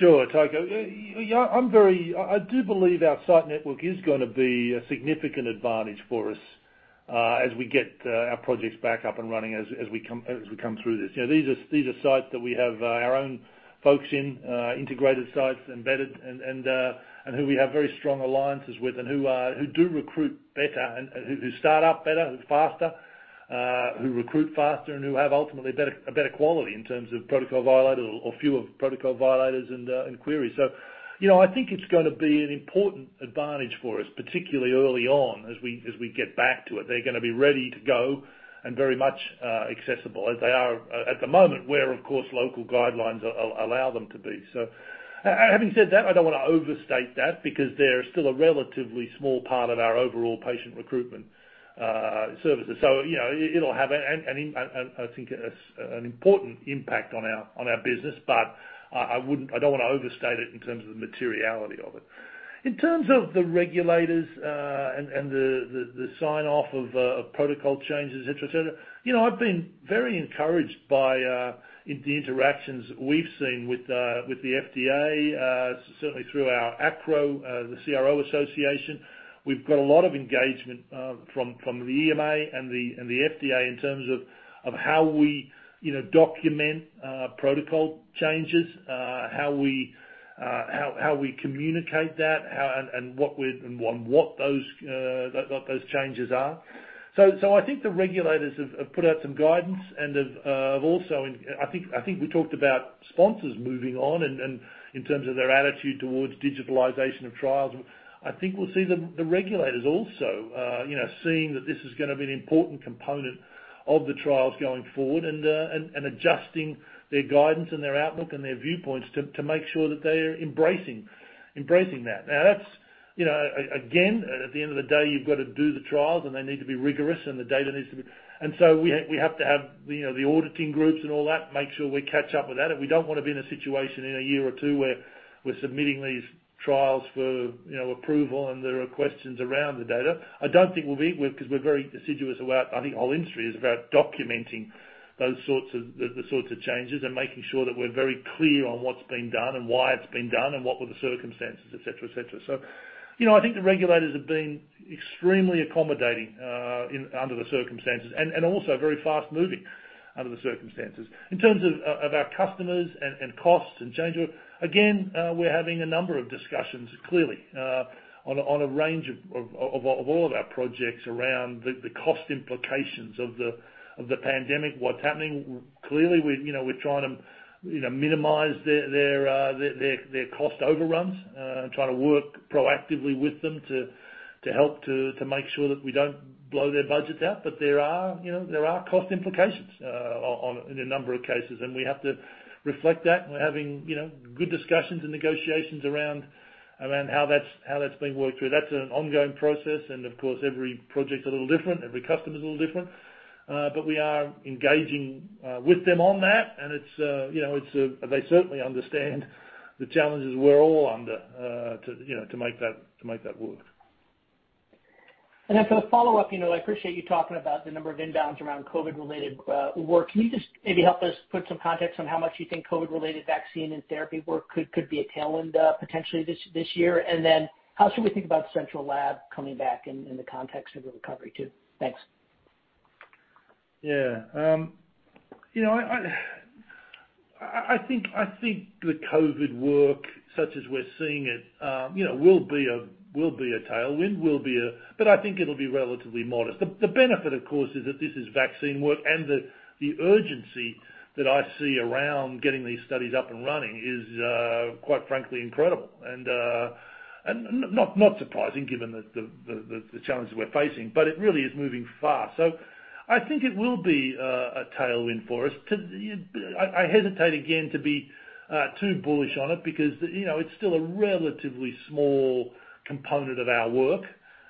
Sure, Tycho. I do believe our site network is going to be a significant advantage for us as we get our projects back up and running as we come through this. These are sites that we have our own folks in, integrated sites embedded, and who we have very strong alliances with and who do recruit better and who start up better and faster, who recruit faster and who have ultimately a better quality in terms of protocol violators or fewer protocol violators and queries. I think it's going to be an important advantage for us, particularly early on as we get back to it. They're going to be ready to go and very much accessible as they are at the moment, where, of course, local guidelines allow them to be. Having said that, I don't want to overstate that because they're still a relatively small part of our overall patient recruitment services. It'll have an important impact on our business, but I don't want to overstate it in terms of the materiality of it. In terms of the regulators, and the sign-off of protocol changes, et cetera. I've been very encouraged by the interactions we've seen with the FDA, certainly through our ACRO, the CRO association. We've got a lot of engagement from the EMA and the FDA in terms of how we document protocol changes, how we communicate that, and what those changes are. I think the regulators have put out some guidance and have also, I think we talked about sponsors moving on and in terms of their attitude towards digitalization of trials. I think we'll see the regulators also seeing that this is going to be an important component of the trials going forward and adjusting their guidance and their outlook and their viewpoints to make sure that they are embracing that. Now that's, again, at the end of the day, you've got to do the trials, and they need to be rigorous, and the data needs to be. We have to have the auditing groups and all that, make sure we catch up with that. We don't want to be in a situation in a year or two where we're submitting these trials for approval, and there are questions around the data. I don't think we'll be, because we're very assiduous about, I think our industry is about documenting the sorts of changes and making sure that we're very clear on what's been done and why it's been done and what were the circumstances, et cetera. I think the regulators have been extremely accommodating under the circumstances and also very fast-moving under the circumstances. In terms of our customers and costs and change order, again, we're having a number of discussions, clearly, on a range of all of our projects around the cost implications of the pandemic, what's happening. Clearly, we're trying to minimize their cost overruns, trying to work proactively with them to help to make sure that we don't blow their budgets out. There are cost implications in a number of cases, and we have to reflect that, and we're having good discussions and negotiations around how that's being worked through. That's an ongoing process, and of course, every project's a little different, every customer's a little different. We are engaging with them on that, and they certainly understand the challenges we're all under to make that work. Then for the follow-up, I appreciate you talking about the number of inbounds around COVID-related work. Can you just maybe help us put some context on how much you think COVID-related vaccine and therapy work could be a tailwind potentially this year? Then how should we think about Central Lab coming back in the context of the recovery, too? Thanks. Yeah. I think the COVID work, such as we're seeing it will be a tailwind, but I think it'll be relatively modest. The benefit, of course, is that this is vaccine work, and the urgency that I see around getting these studies up and running is, quite frankly, incredible. Not surprising given the challenges we're facing, but it really is moving fast. I think it will be a tailwind for us. I hesitate, again, to be too bullish on it because it's still a relatively small component of our work,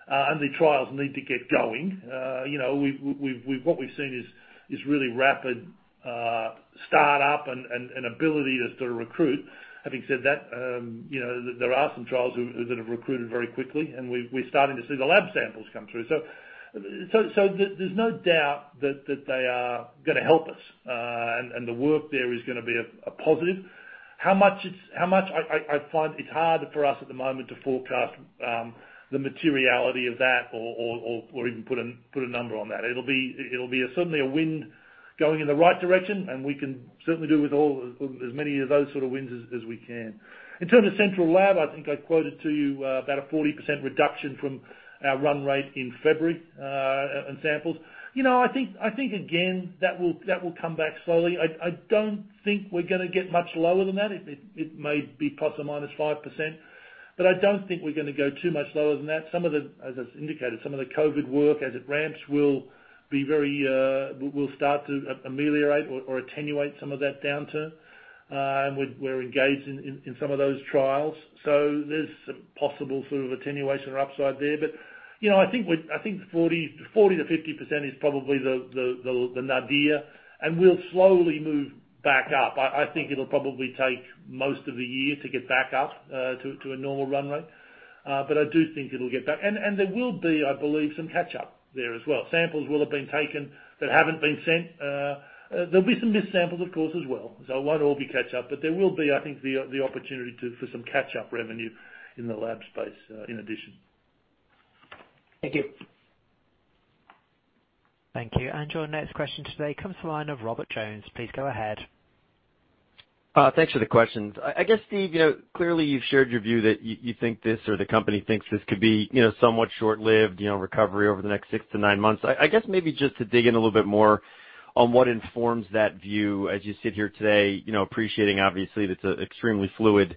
and the trials need to get going. What we've seen is really rapid startup and ability to recruit. Having said that, there are some trials that have recruited very quickly, and we're starting to see the lab samples come through. There's no doubt that they are going to help us. The work there is going to be a positive. How much? I find it's hard for us at the moment to forecast the materiality of that or even put a number on that. It'll be certainly a wind going in the right direction, and we can certainly do with as many of those sort of winds as we can. In terms of Central Lab, I think I quoted to you about a 40% reduction from our run rate in February in samples. That will come back slowly. I don't think we're going to get much lower than that. It may be ±5%, but I don't think we're going to go too much lower than that. As I've indicated, some of the COVID work, as it ramps, will start to ameliorate or attenuate some of that downturn. We're engaged in some of those trials. There's some possible sort of attenuation or upside there. I think 40%-50% is probably the nadir, and we'll slowly move back up. I think it'll probably take most of the year to get back up to a normal run rate. I do think it'll get back. There will be, I believe, some catch-up there as well. Samples will have been taken that haven't been sent. There'll be some missed samples, of course, as well. It won't all be catch-up. There will be, I think, the opportunity for some catch-up revenue in the lab space, in addition. Thank you. Thank you. Your next question today comes to the line of Robert Jones. Please go ahead. Thanks for the questions. I guess, Steve, clearly you've shared your view that you think this or the company thinks this could be somewhat short-lived recovery over the next six to nine months. I guess maybe just to dig in a little bit more on what informs that view as you sit here today appreciating, obviously, that's an extremely fluid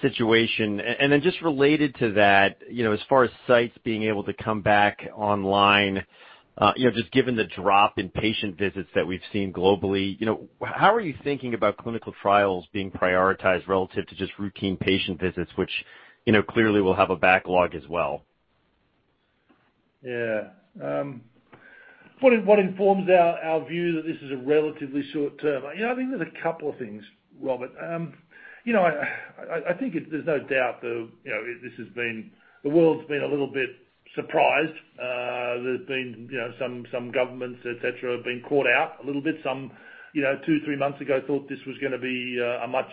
situation? Just related to that, as far as sites being able to come back online, just given the drop in patient visits that we've seen globally, how are you thinking about clinical trials being prioritized relative to just routine patient visits, which clearly will have a backlog as well? Yeah. What informs our view that this is a relatively short term? I think there's a couple of things, Robert. I think there's no doubt the world's been a little bit surprised. There's been some governments, et cetera, have been caught out a little bit. Some two to three months ago, thought this was going to be a much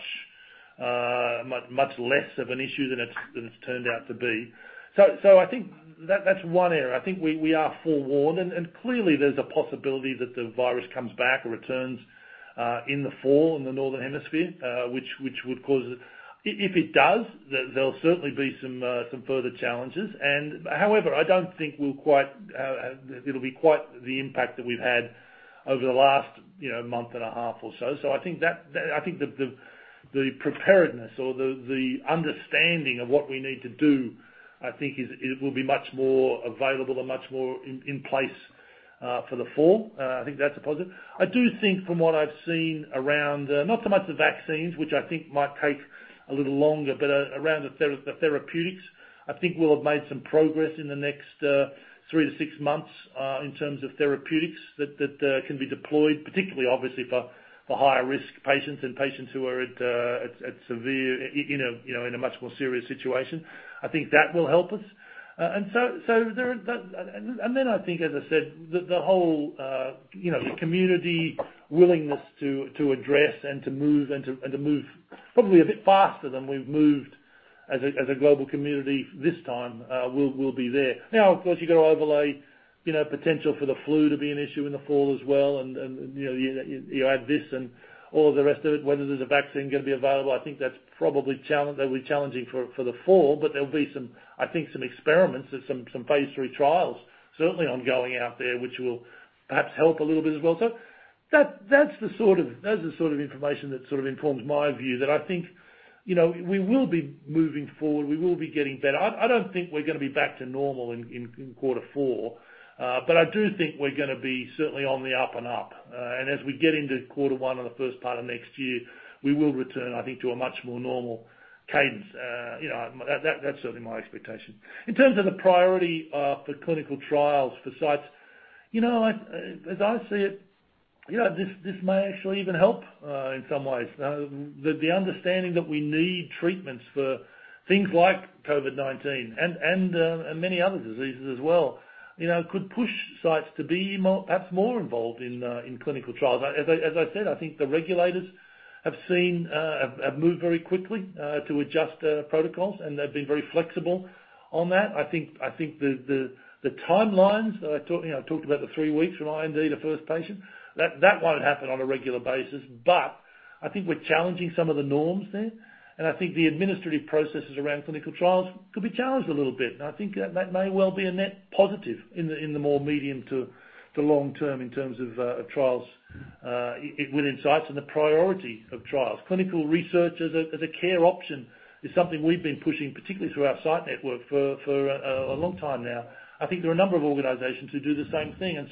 less of an issue than it's turned out to be. I think that's one area. I think we are forewarned. Clearly there's a possibility that the virus comes back or returns in the fall in the northern hemisphere. If it does, there'll certainly be some further challenges. However, I don't think it'll be quite the impact that we've had over the last month and a half or so. I think the preparedness or the understanding of what we need to do, I think will be much more available and much more in place for the fall. I think that's a positive. I do think from what I've seen around, not so much the vaccines, which I think might take a little longer, but around the therapeutics. I think we'll have made some progress in the next three to six months in terms of therapeutics that can be deployed, particularly obviously for higher risk patients and patients who are at a much more serious situation. I think that will help us. Then I think, as I said, the whole community willingness to address and to move probably a bit faster than we've moved as a global community this time will be there. Now, of course, you've got to overlay potential for the flu to be an issue in the fall as well. You add this and all the rest of it, whether there's a vaccine going to be available, I think that'll be challenging for the fall, but there'll be some, I think, some experiments or some phase III trials certainly ongoing out there, which will perhaps help a little bit as well. That's the sort of information that informs my view that I think we will be moving forward, we will be getting better. I don't think we're going to be back to normal in quarter four. I do think we're going to be certainly on the up and up. As we get into quarter one or the first part of next year, we will return, I think, to a much more normal cadence. That's certainly my expectation. In terms of the priority for clinical trials for sites, as I see it, this may actually even help in some ways. The understanding that we need treatments for things like COVID-19 and many other diseases as well could push sites to be perhaps more involved in clinical trials. As I said, I think the regulators have moved very quickly to adjust protocols, and they've been very flexible on that. I think the timelines, I talked about the three weeks from IND to first patient. That won't happen on a regular basis, but I think we're challenging some of the norms there. I think the administrative processes around clinical trials could be challenged a little bit. I think that may well be a net positive in the more medium to long term in terms of trials within sites and the priority of trials. Clinical research as a care option is something we've been pushing, particularly through our site network, for a long time now. I think there are a number of organizations who do the same thing.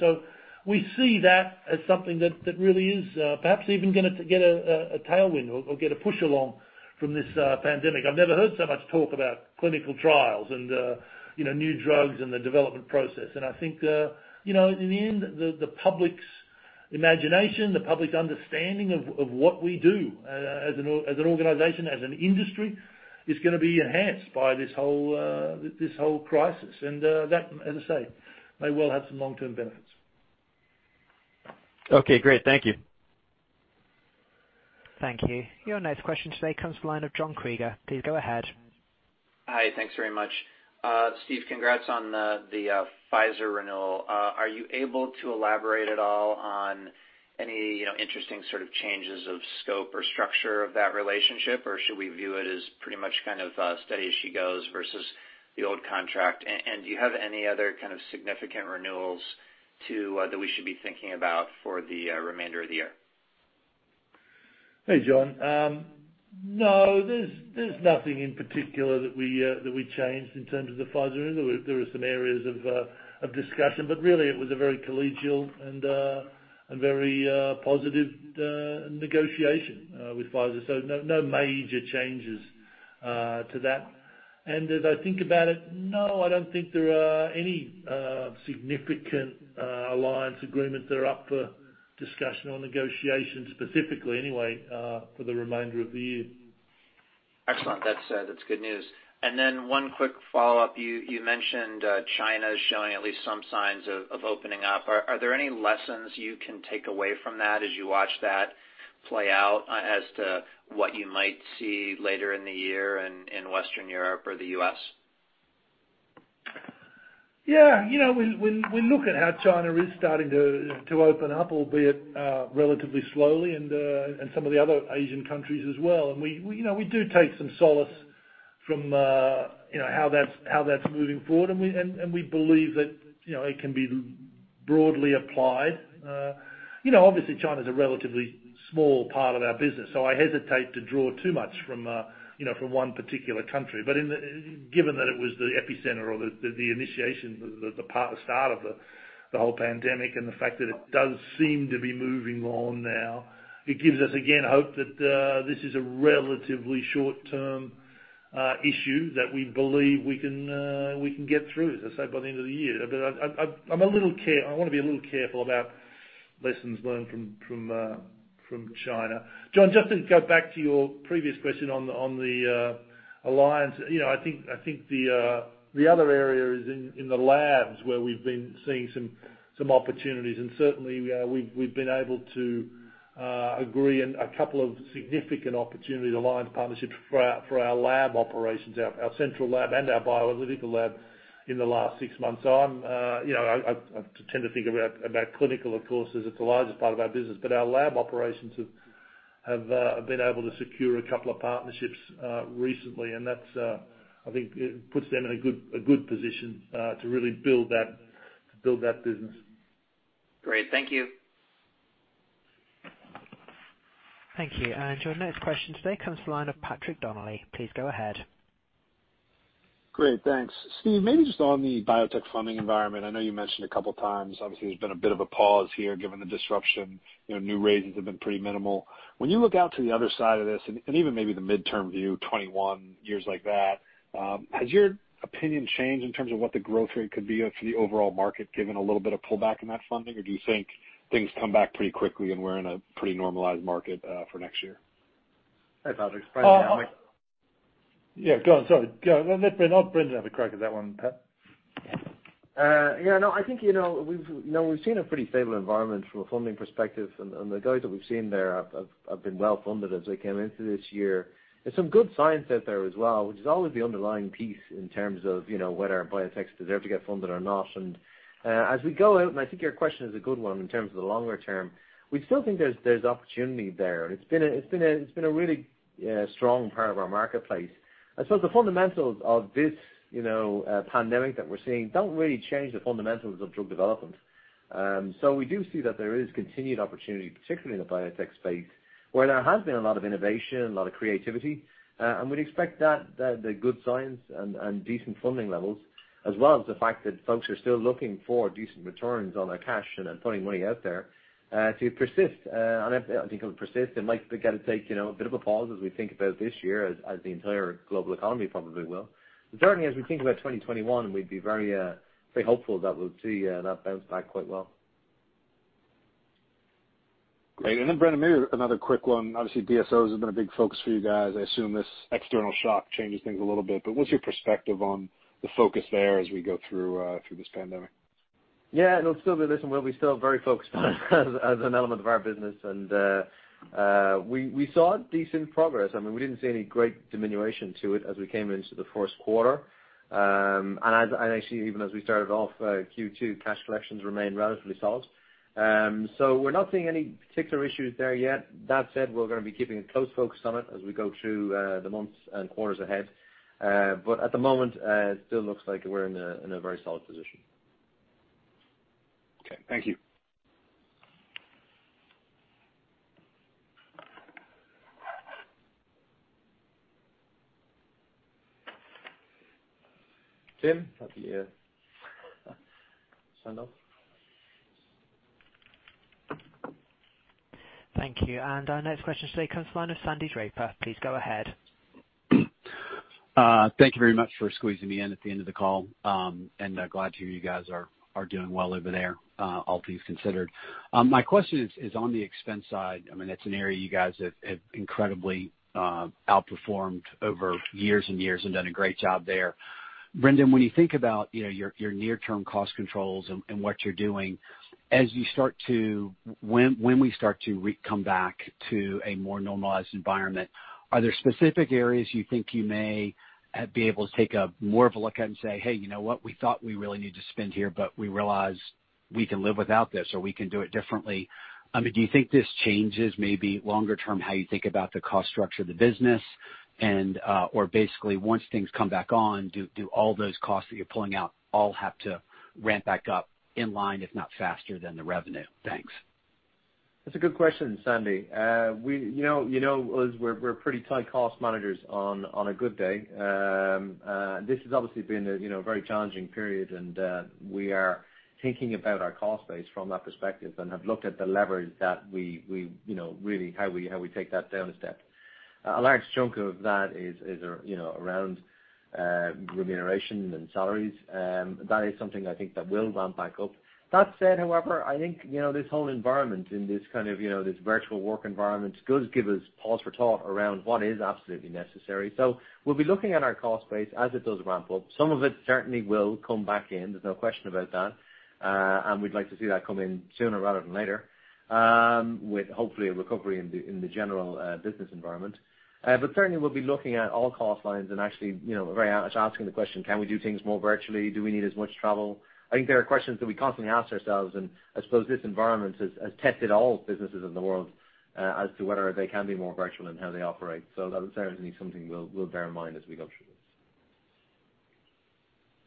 We see that as something that really is perhaps even going to get a tailwind or get a push along from this pandemic. I've never heard so much talk about clinical trials and new drugs and the development process. I think, in the end, the public's imagination, the public's understanding of what we do as an organization, as an industry, is going to be enhanced by this whole crisis. That, as I say, may well have some long-term benefits. Okay, great. Thank you. Thank you. Your next question today comes from the line of John Kreger. Please go ahead. Hi. Thanks very much. Steve, congrats on the Pfizer renewal. Are you able to elaborate at all on any interesting sort of changes of scope or structure of that relationship? Or should we view it as pretty much kind of steady as she goes versus the old contract? Do you have any other kind of significant renewals that we should be thinking about for the remainder of the year? Hey, John. There's nothing in particular that we changed in terms of the Pfizer. There were some areas of discussion, but really, it was a very collegial and very positive negotiation with Pfizer. No major changes to that. As I think about it, no, I don't think there are any significant alliance agreements that are up for discussion or negotiation specifically anyway, for the remainder of the year. Excellent. That's good news. One quick follow-up. You mentioned China is showing at least some signs of opening up. Are there any lessons you can take away from that as you watch that play out as to what you might see later in the year in Western Europe or the U.S.? Yeah. We look at how China is starting to open up, albeit relatively slowly, and some of the other Asian countries as well. We do take some solace from how that's moving forward, and we believe that it can be broadly applied. Obviously, China's a relatively small part of our business, so I hesitate to draw too much from one particular country. Given that it was the epicenter or the initiation, the start of the whole pandemic, and the fact that it does seem to be moving on now, it gives us, again, hope that this is a relatively short-term issue that we believe we can get through, as I say, by the end of the year. I want to be a little careful about lessons learned from China. John, just to go back to your previous question on the alliance. I think the other area is in the labs where we've been seeing some opportunities, and certainly, we've been able to agree on a couple of significant opportunity alliance partnerships for our lab operations, our Central Lab, and our bioanalytical lab in the last six months. I tend to think about clinical, of course, as it's the largest part of our business, but our lab operations have been able to secure a couple of partnerships recently, and that, I think, puts them in a good position to really build that business. Great. Thank you. Thank you. Your next question today comes from the line of Patrick Donnelly. Please go ahead. Great. Thanks. Steve, maybe just on the biotech funding environment, I know you mentioned a couple of times, obviously, there's been a bit of a pause here given the disruption. New raises have been pretty minimal. When you look out to the other side of this and even maybe the midterm view, 2021, years like that, has your opinion changed in terms of what the growth rate could be for the overall market given a little bit of pullback in that funding? Do you think things come back pretty quickly and we're in a pretty normalized market for next year? Hey, Patrick. Its Brendan, [can you hear me?] Yeah, go on. Sorry. Go. I'll let Brendan have a crack at that one, Pat. Yeah. No. I think we've seen a pretty stable environment from a funding perspective, and the guys that we've seen there have been well-funded as they came into this year. There's some good science out there as well, which is always the underlying piece in terms of whether biotechs deserve to get funded or not. As we go out, and I think your question is a good one in terms of the longer term, we still think there's opportunity there. It's been a really strong part of our marketplace. I suppose the fundamentals of this pandemic that we're seeing don't really change the fundamentals of drug development. We do see that there is continued opportunity, particularly in the biotech space, where there has been a lot of innovation, a lot of creativity. We'd expect that the good science and decent funding levels, as well as the fact that folks are still looking for decent returns on their cash and putting money out there to persist. I think it'll persist. It might take a bit of a pause as we think about this year as the entire global economy probably will. Certainly, as we think about 2021, we'd be very hopeful that we'll see that bounce back quite well. Great. Brendan, maybe another quick one. Obviously, DSOs have been a big focus for you guys. I assume this external shock changes things a little bit, but what's your perspective on the focus there as we go through this pandemic? Yeah, no. Certainly, listen, we'll be still very focused on it as an element of our business. We saw decent progress. We didn't see any great diminution to it as we came into the first quarter. Actually, even as we started off Q2, cash collections remained relatively solid. We're not seeing any particular issues there yet. That said, we're going to be keeping a close focus on it as we go through the months and quarters ahead. At the moment, it still looks like we're in a very solid position. Okay. Thank you. Thank you. Our next question today comes from the line of Sandy Draper. Please go ahead. Thank you very much for squeezing me in at the end of the call. Glad to hear you guys are doing well over there, all things considered. My question is on the expense side. It's an area you guys have incredibly outperformed over years and done a great job there. Brendan, when you think about your near-term cost controls and what you're doing, as we start to come back to a more normalized environment, are there specific areas you think you may be able to take more of a look at and say, hey, you know what? We thought we really need to spend here, but we realize we can live without this, or we can do it differently. Do you think this changes maybe longer term, how you think about the cost structure of the business? Or basically once things come back on, do all those costs that you're pulling out all have to ramp back up in line, if not faster than the revenue? Thanks. That's a good question, Sandy. As you know, we're pretty tight cost managers on a good day. This has obviously been a very challenging period. We are thinking about our cost base from that perspective and have looked at the leverage that we really how we take that down a step. A large chunk of that is around remuneration and salaries. That is something I think that will ramp back up. That said, however, I think, this whole environment and this kind of, this virtual work environment does give us pause for thought around what is absolutely necessary. We'll be looking at our cost base as it does ramp up. Some of it certainly will come back in, there's no question about that. We'd like to see that come in sooner rather than later, with hopefully a recovery in the general business environment. Certainly, we'll be looking at all cost lines and actually, very honestly asking the question, can we do things more virtually? Do we need as much travel? I think they are questions that we constantly ask ourselves, and I suppose this environment has tested all businesses in the world, as to whether they can be more virtual in how they operate. That is certainly something we'll bear in mind as we go through this.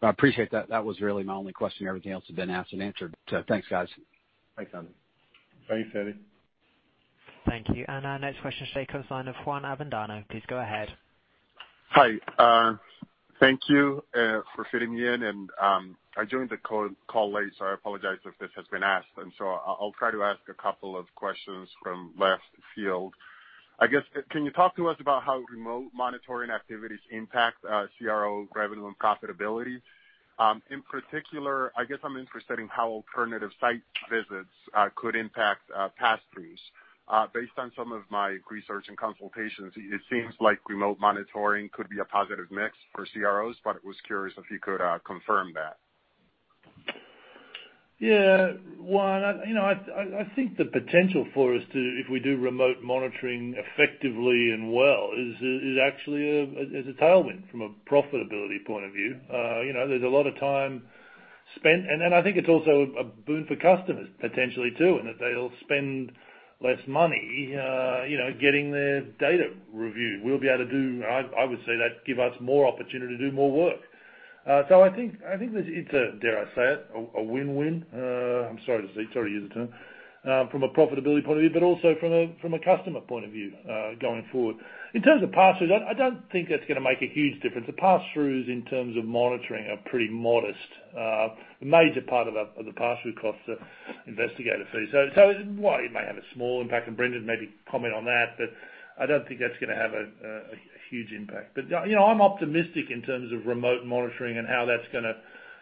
I appreciate that. That was really my only question. Everything else had been asked and answered. Thanks, guys. Thanks, Sandy. Thank you. Our next question today comes from the line of Juan Avendano. Please go ahead. Hi. Thank you for fitting me in. I joined the call late, so I apologize if this has been asked. I'll try to ask a couple of questions from left field. Can you talk to us about how remote monitoring activities impact CRO revenue and profitability? In particular, I'm interested in how alternative site visits could impact pass-throughs. Based on some of my research and consultations, it seems like remote monitoring could be a positive mix for CROs. Was curious if you could confirm that. Yeah. Juan, I think the potential for us to, if we do remote monitoring effectively and well, is actually a tailwind from a profitability point of view. There's a lot of time spent. I think it's also a boon for customers potentially too, in that they'll spend less money getting their data reviewed. We'll be able to do I would say that'd give us more opportunity to do more work. I think that it's a, dare I say it, a win-win. I'm sorry to use the term. From a profitability point of view, also from a customer point of view, going forward. In terms of pass-throughs, I don't think that's gonna make a huge difference. The pass-throughs in terms of monitoring are pretty modest. A major part of the pass-through costs are investigator fees. While it may have a small impact, and Brendan maybe comment on that, I don't think that's gonna have a huge impact. I'm optimistic in terms of remote monitoring and how that's gonna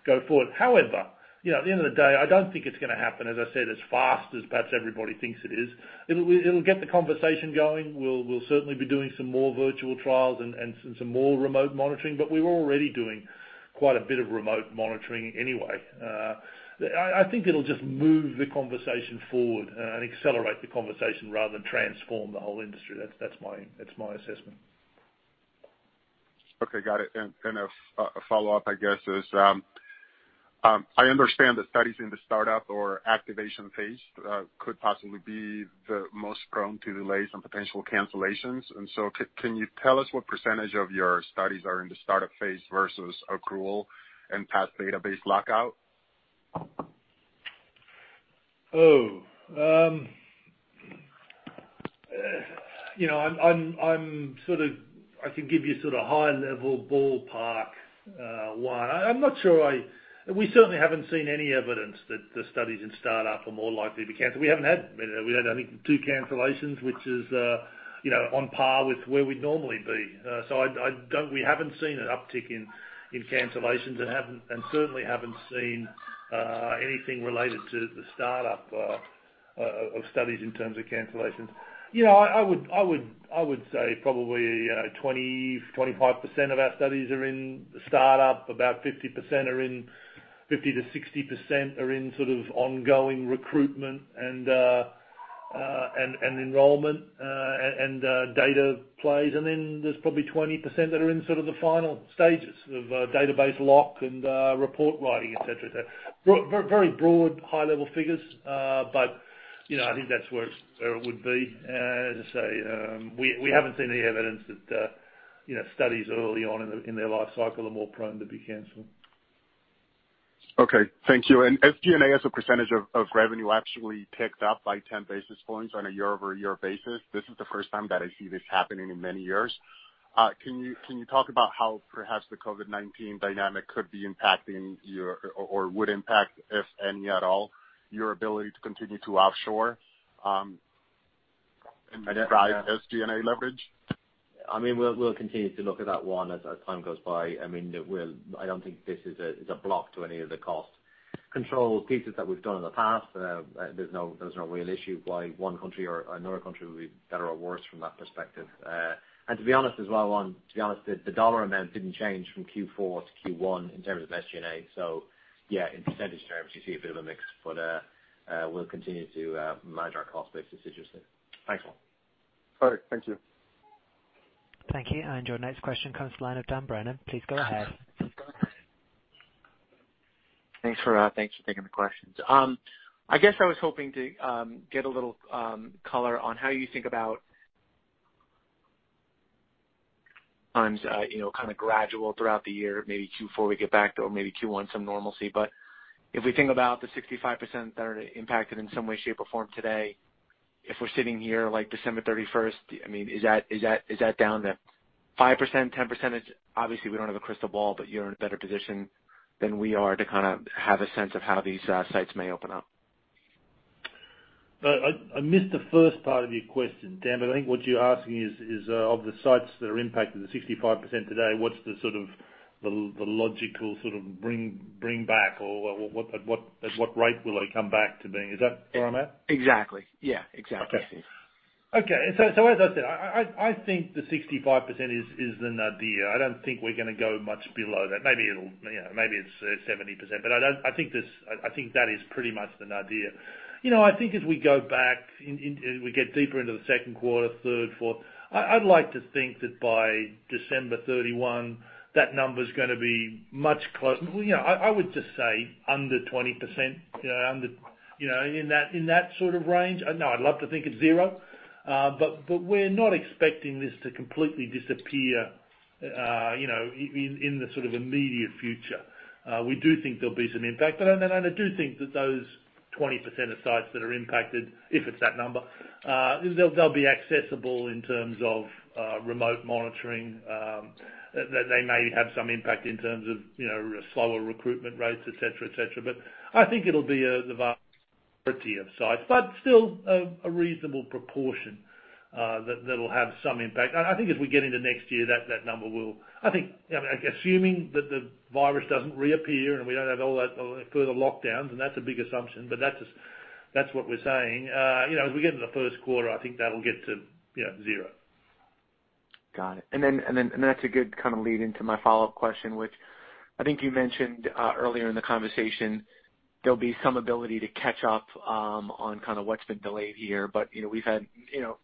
go forward. However, at the end of the day, I don't think it's gonna happen, as I said, as fast as perhaps everybody thinks it is. It'll get the conversation going. We'll certainly be doing some more virtual trials and some more remote monitoring, but we're already doing quite a bit of remote monitoring anyway. I think it'll just move the conversation forward and accelerate the conversation rather than transform the whole industry. That's my assessment. Okay. Got it. A follow-up, I guess, I understand that studies in the startup or activation phase could possibly be the most prone to delays and potential cancellations. Can you tell us what percentage of your studies are in the startup phase versus accrual and [past] database lock? I can give you sort of high-level ballpark, Juan. We certainly haven't seen any evidence that the studies in startup are more likely to be canceled. We've had, I think, two cancellations, which is on par with where we'd normally be. We haven't seen an uptick in cancellations and certainly haven't seen anything related to the startup of studies in terms of cancellations. I would say probably 20%-25% of our studies are in the startup. About 50% are in, 50%-60%, are in sort of ongoing recruitment and enrollment, and data [plays]. There's probably 20% that are in sort of the final stages of database lock and report writing, et cetera. Very broad high-level figures, I think that's where it would be. As I say, we haven't seen any evidence that studies early on in their lifecycle are more prone to be canceled. Okay. Thank you. SG&A as a percentage of revenue actually ticked up by 10 basis points on a year-over-year basis. This is the first time that I see this happening in many years. Can you talk about how perhaps the COVID-19 dynamic could be impacting, or would impact, if any at all, your ability to continue to offshore and drive SG&A leverage? We'll continue to look at that one as time goes by. I don't think this is a block to any of the cost control pieces that we've done in the past. There's no real issue why one country or another country would be better or worse from that perspective. To be honest as well, Juan, to be honest, the dollar amount didn't change from Q4 to Q1 in terms of SG&A. Yeah, in percentage terms, you see a bit of a mix, but we'll continue to manage our cost base assiduously. Thanks. All right. Thank you. Thank you. Your next question comes to the line of Dan Brennan. Please go ahead. Thanks for taking the questions. I guess I was hoping to get a little color on how you think about times, kind of gradual throughout the year, maybe Q4 we get back to, or maybe Q1, some normalcy. If we think about the 65% that are impacted in some way, shape, or form today, if we're sitting here like December 31st, is that down to 5% or 10%? Obviously, we don't have a crystal ball, but you're in a better position than we are to have a sense of how these sites may open up. I missed the first part of your question, Dan, but I think what you're asking is, of the sites that are impacted, the 65% today, what's the logical sort of bring back or at what rate will they come back to being? Is that where I'm at? Exactly. Yeah. Exactly. Okay. As I said, I think the 65% is an idea. I don't think we're going to go much below that. Maybe it's 70%, but I think that is pretty much an idea. I think as we go back, we get deeper into the second quarter, third, fourth, I'd like to think that by December 31, that number's going to be much closer. I would just say under 20%, in that sort of range. I'd love to think it's zero. We're not expecting this to completely disappear in the immediate future. We do think there'll be some impact. I do think that those 20% of sites that are impacted, if it's that number, they'll be accessible in terms of remote monitoring. They may have some impact in terms of slower recruitment rates, et cetera. I think it'll be the of sites. Still, a reasonable proportion that'll have some impact. I think as we get into next year, assuming that the virus doesn't reappear and we don't have all that further lockdowns, and that's a big assumption, but that's what we're saying. As we get into the first quarter, I think that'll get to zero. Got it. That's a good lead into my follow-up question, which I think you mentioned earlier in the conversation, there'll be some ability to catch up on what's been delayed here. We've had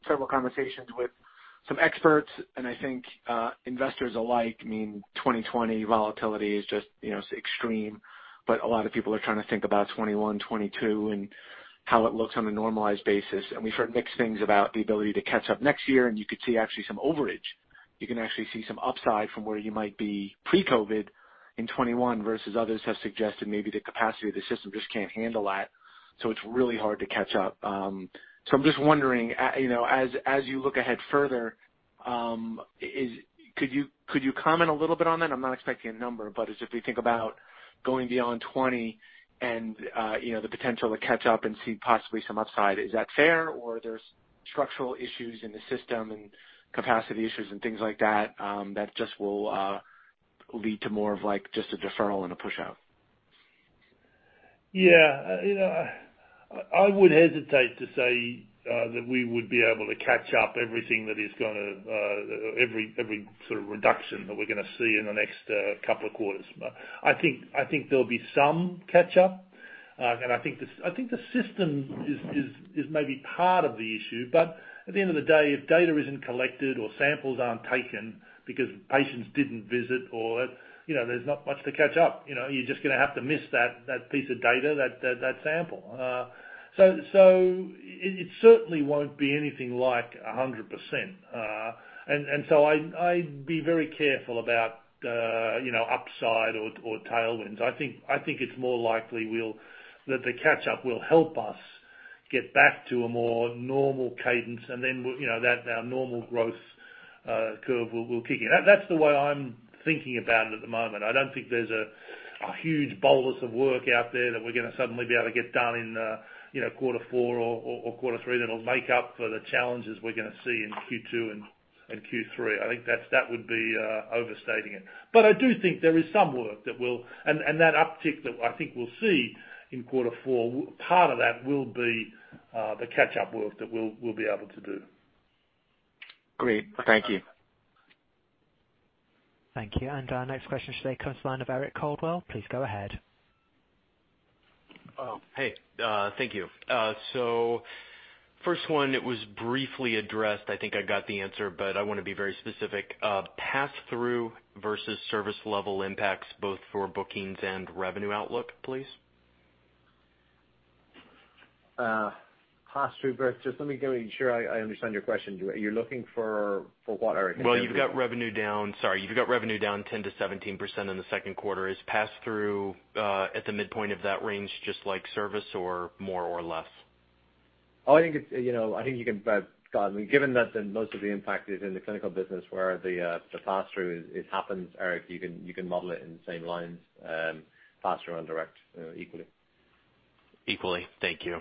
several conversations with some experts, and I think investors alike, 2020 volatility is just extreme. A lot of people are trying to think about 2021, 2022, and how it looks on a normalized basis. We've heard mixed things about the ability to catch up next year, and you could see actually some overage. You can actually see some upside from where you might be pre-COVID in 2021 versus others have suggested maybe the capacity of the system just can't handle that, so it's really hard to catch up. I'm just wondering, as you look ahead further, could you comment a little bit on that? As if we think about going beyond 2020 and the potential to catch up and see possibly some upside, is that fair? There's structural issues in the system and capacity issues and things like that that just will lead to more of a deferral and a push out? I would hesitate to say that we would be able to catch up everything, every sort of reduction that we're going to see in the next couple of quarters. I think there'll be some catch up. I think the system is maybe part of the issue. At the end of the day, if data isn't collected or samples aren't taken because patients didn't visit or there's not much to catch up. You're just going to have to miss that piece of data, that sample. It certainly won't be anything like 100%. I'd be very careful about upside or tailwinds. I think it's more likely that the catch up will help us get back to a more normal cadence and then our normal growth curve will kick in. That's the way I'm thinking about it at the moment. I don't think there's a huge bolus of work out there that we're going to suddenly be able to get done in quarter four or quarter three that'll make up for the challenges we're going to see in Q2 and Q3. I think that would be overstating it. But I do think there is some work that will. And that uptick that I think we'll see in quarter four, part of that will be the catch-up work that we'll be able to do. Great. Thank you. Thank you. Our next question today comes to the line of Eric Coldwell. Please go ahead. Hey. Thank you. First one, it was briefly addressed. I think I got the answer, but I want to be very specific. Pass through versus service level impacts both for bookings and revenue outlook, please. Pass-through, Eric, just let me make sure I understand your question. You're looking for what, Eric? Well, you've got revenue down 10%-17% in the second quarter. Is pass-through at the midpoint of that range, just like service or more or less? I think given that most of the impact is in the clinical business where the pass-through happens, Eric, you can model it in the same lines, pass-through and direct equally. Equally. Thank you.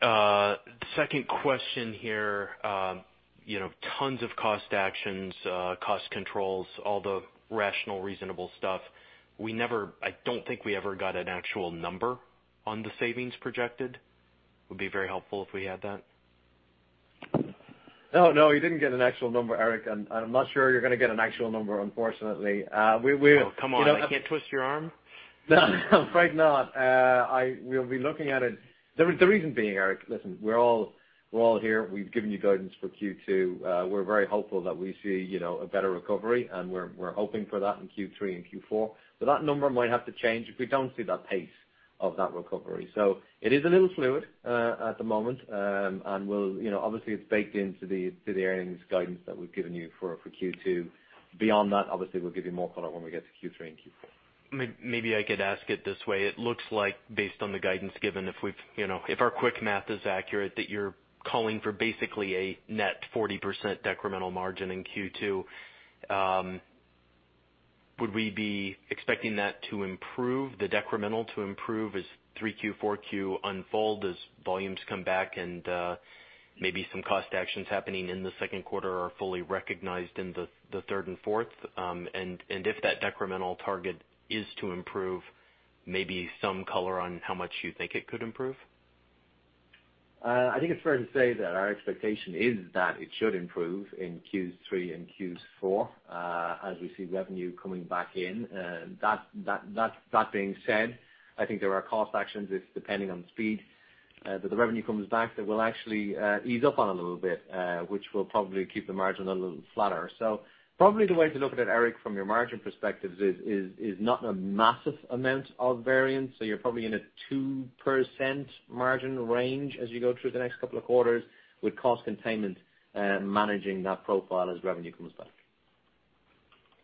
The second question here. Tons of cost actions, cost controls, all the rational, reasonable stuff. I don't think we ever got an actual number on the savings projected. Would be very helpful if we had that. No, you didn't get an actual number, Eric, and I'm not sure you're going to get an actual number, unfortunately. Oh, come on. I can't twist your arm? No, I'm afraid not. We'll be looking at it. The reason being, Eric, listen, we're all here. We've given you guidance for Q2. We're very hopeful that we see a better recovery, and we're hoping for that in Q3 and Q4. That number might have to change if we don't see that pace of that recovery. It is a little fluid at the moment. Obviously, it's baked into the earnings guidance that we've given you for Q2. Beyond that, obviously, we'll give you more color when we get to Q3 and Q4. Maybe I could ask it this way. It looks like based on the guidance given, if our quick math is accurate, that you're calling for basically a net 40% decremental margin in Q2. Would we be expecting that to improve, the decremental to improve as 3Q, 4Q unfold, as volumes come back and maybe some cost actions happening in the second quarter are fully recognized in the third and fourth? And if that decremental target is to improve, maybe some color on how much you think it could improve? I think it's fair to say that our expectation is that it should improve in Q3 and Q4, as we see revenue coming back in. That being said, I think there are cost actions, depending on speed, that the revenue comes back, that we'll actually ease up on a little bit, which will probably keep the margin a little flatter. Probably the way to look at it, Eric, from your margin perspective, is not a massive amount of variance. You're probably in a 2% margin range as you go through the next couple of quarters with cost containment, managing that profile as revenue comes back.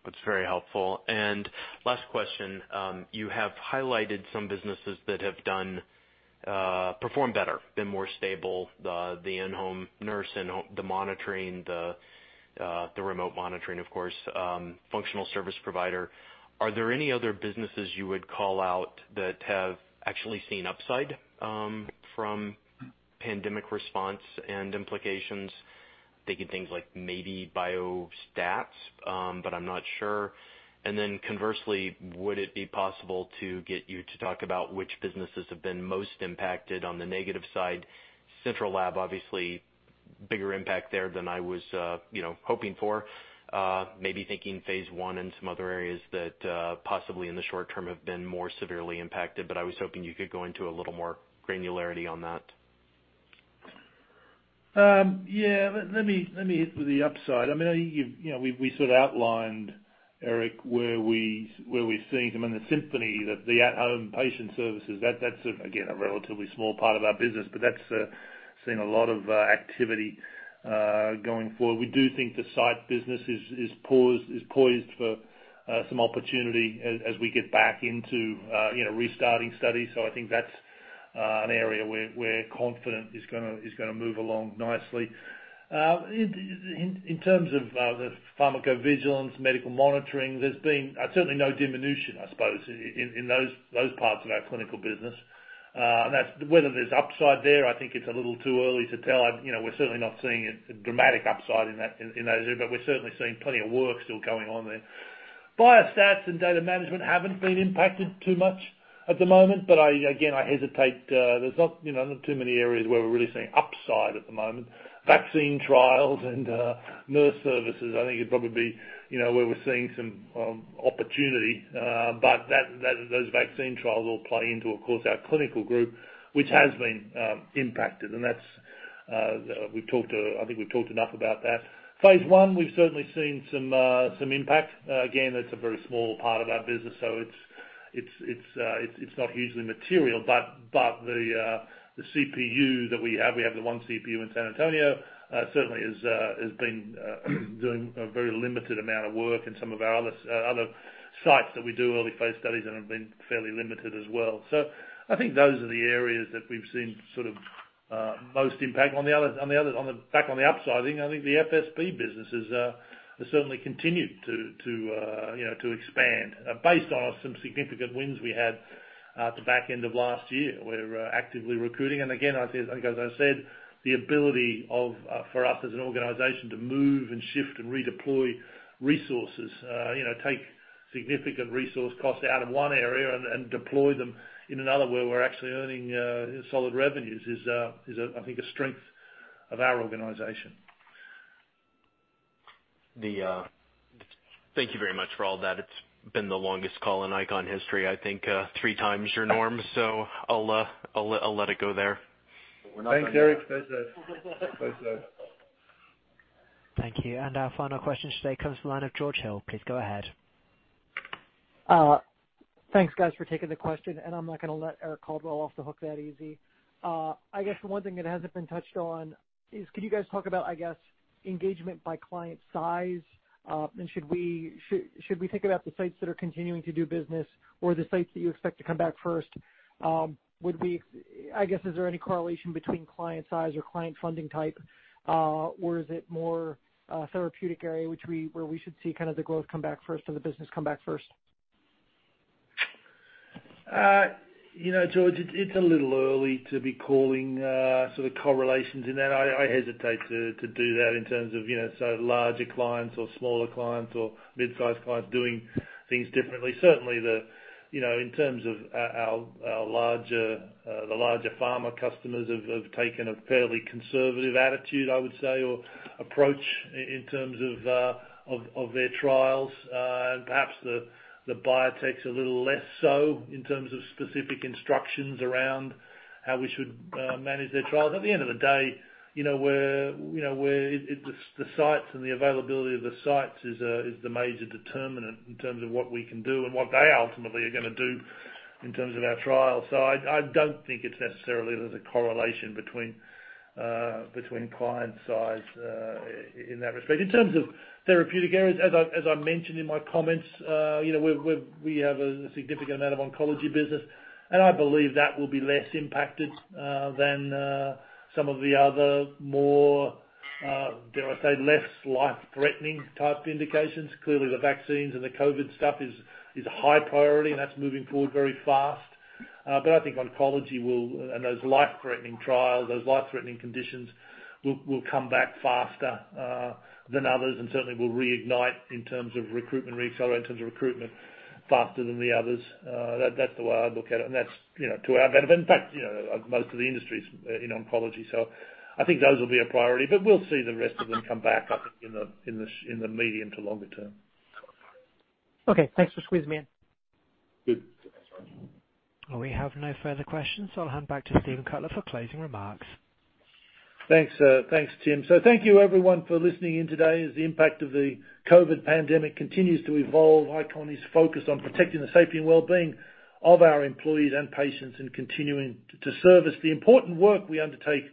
That's very helpful. Last question. You have highlighted some businesses that have performed better, been more stable. The in-home nurse and the monitoring, the remote monitoring, of course, functional service provider. Are there any other businesses you would call out that have actually seen upside from pandemic response and implications? Thinking things like maybe biostats, but I'm not sure. Conversely, would it be possible to get you to talk about which businesses have been most impacted on the negative side? Central Lab, obviously, bigger impact there than I was hoping for. Maybe thinking phase I and some other areas that possibly in the short term have been more severely impacted, but I was hoping you could go into a little more granularity on that. Yeah. Let me hit with the upside. We sort of outlined, Eric, where we're seeing some in the Symphony, the at-home patient services. That's, again, a relatively small part of our business, but that's seen a lot of activity going forward. We do think the site business is poised for some opportunity as we get back into restarting studies. I think that's an area we're confident is going to move along nicely. In terms of the pharmacovigilance, medical monitoring, there's been certainly no diminution, I suppose, in those parts of our clinical business. Whether there's upside there, I think it's a little too early to tell. We're certainly not seeing a dramatic upside in those, but we're certainly seeing plenty of work still going on there. biostats and data management haven't been impacted too much at the moment, but again, I hesitate. There's not too many areas where we're really seeing upside at the moment. Vaccine trials and nurse services, I think would probably be where we're seeing some opportunity. Those vaccine trials all play into, of course, our clinical group, which has been impacted. I think we've talked enough about that. Phase I, we've certainly seen some impact. Again, that's a very small part of our business, so it's not hugely material, but the CPU that we have, we have the one CPU in San Antonio, certainly has been doing a very limited amount of work and some of our other sites that we do early phase studies in have been fairly limited as well. I think those are the areas that we've seen most impact. Back on the upside, I think the FSP businesses have certainly continued to expand based on some significant wins we had at the back end of last year. We're actively recruiting. Again, I think as I said, the ability for us as an organization to move and shift and redeploy resources, take significant resource costs out of one area and deploy them in another where we're actually earning solid revenues is, I think, a strength of our organization. Thank you very much for all that. It's been the longest call in ICON history, I think three times your norm. I'll let it go there. Thank you. Our final question today comes from the line of George Hill. Please go ahead. Thanks, guys, for taking the question. I'm not going to let Eric Coldwell off the hook that easy. I guess one thing that hasn't been touched on is, could you guys talk about, I guess, engagement by client size? Should we think about the sites that are continuing to do business or the sites that you expect to come back first? I guess, is there any correlation between client size or client funding type? Is it more therapeutic area, where we should see the growth come back first or the business come back first? George, it's a little early to be calling correlations in that. I hesitate to do that in terms of larger clients or smaller clients or mid-size clients doing things differently. Certainly, in terms of the larger pharma customers have taken a fairly conservative attitude, I would say, or approach in terms of their trials. Perhaps the biotech's a little less so in terms of specific instructions around how we should manage their trials. At the end of the day, the sites and the availability of the sites is the major determinant in terms of what we can do and what they ultimately are going to do in terms of our trials. I don't think it's necessarily there's a correlation between client size in that respect. In terms of therapeutic areas, as I mentioned in my comments, we have a significant amount of oncology business, and I believe that will be less impacted than some of the other more, dare I say, less life-threatening type indications. Clearly, the vaccines and the COVID stuff is high priority, and that's moving forward very fast. I think oncology will, and those life-threatening trials, those life-threatening conditions, will come back faster than others and certainly will reignite in terms of recruitment, re-accelerate in terms of recruitment faster than the others. That's the way I'd look at it, and that's to our benefit. In fact, most of the industry's in oncology. I think those will be a priority, but we'll see the rest of them come back, I think in the medium to longer term. Okay, thanks for squeezing me in. Good. We have no further questions, so I'll hand back to Steve Cutler for closing remarks. Thanks Tim. Thank you everyone for listening in today. As the impact of the COVID pandemic continues to evolve, ICON is focused on protecting the safety and wellbeing of our employees and patients and continuing to service the important work we undertake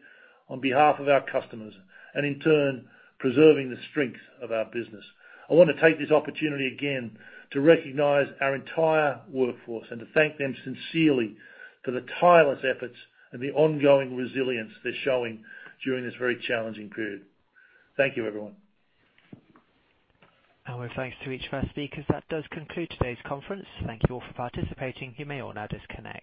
on behalf of our customers and in turn, preserving the strength of our business. I want to take this opportunity again to recognize our entire workforce and to thank them sincerely for the tireless efforts and the ongoing resilience they're showing during this very challenging period. Thank you, everyone. Our thanks to each of our speakers. That does conclude today's conference. Thank you all for participating. You may all now disconnect.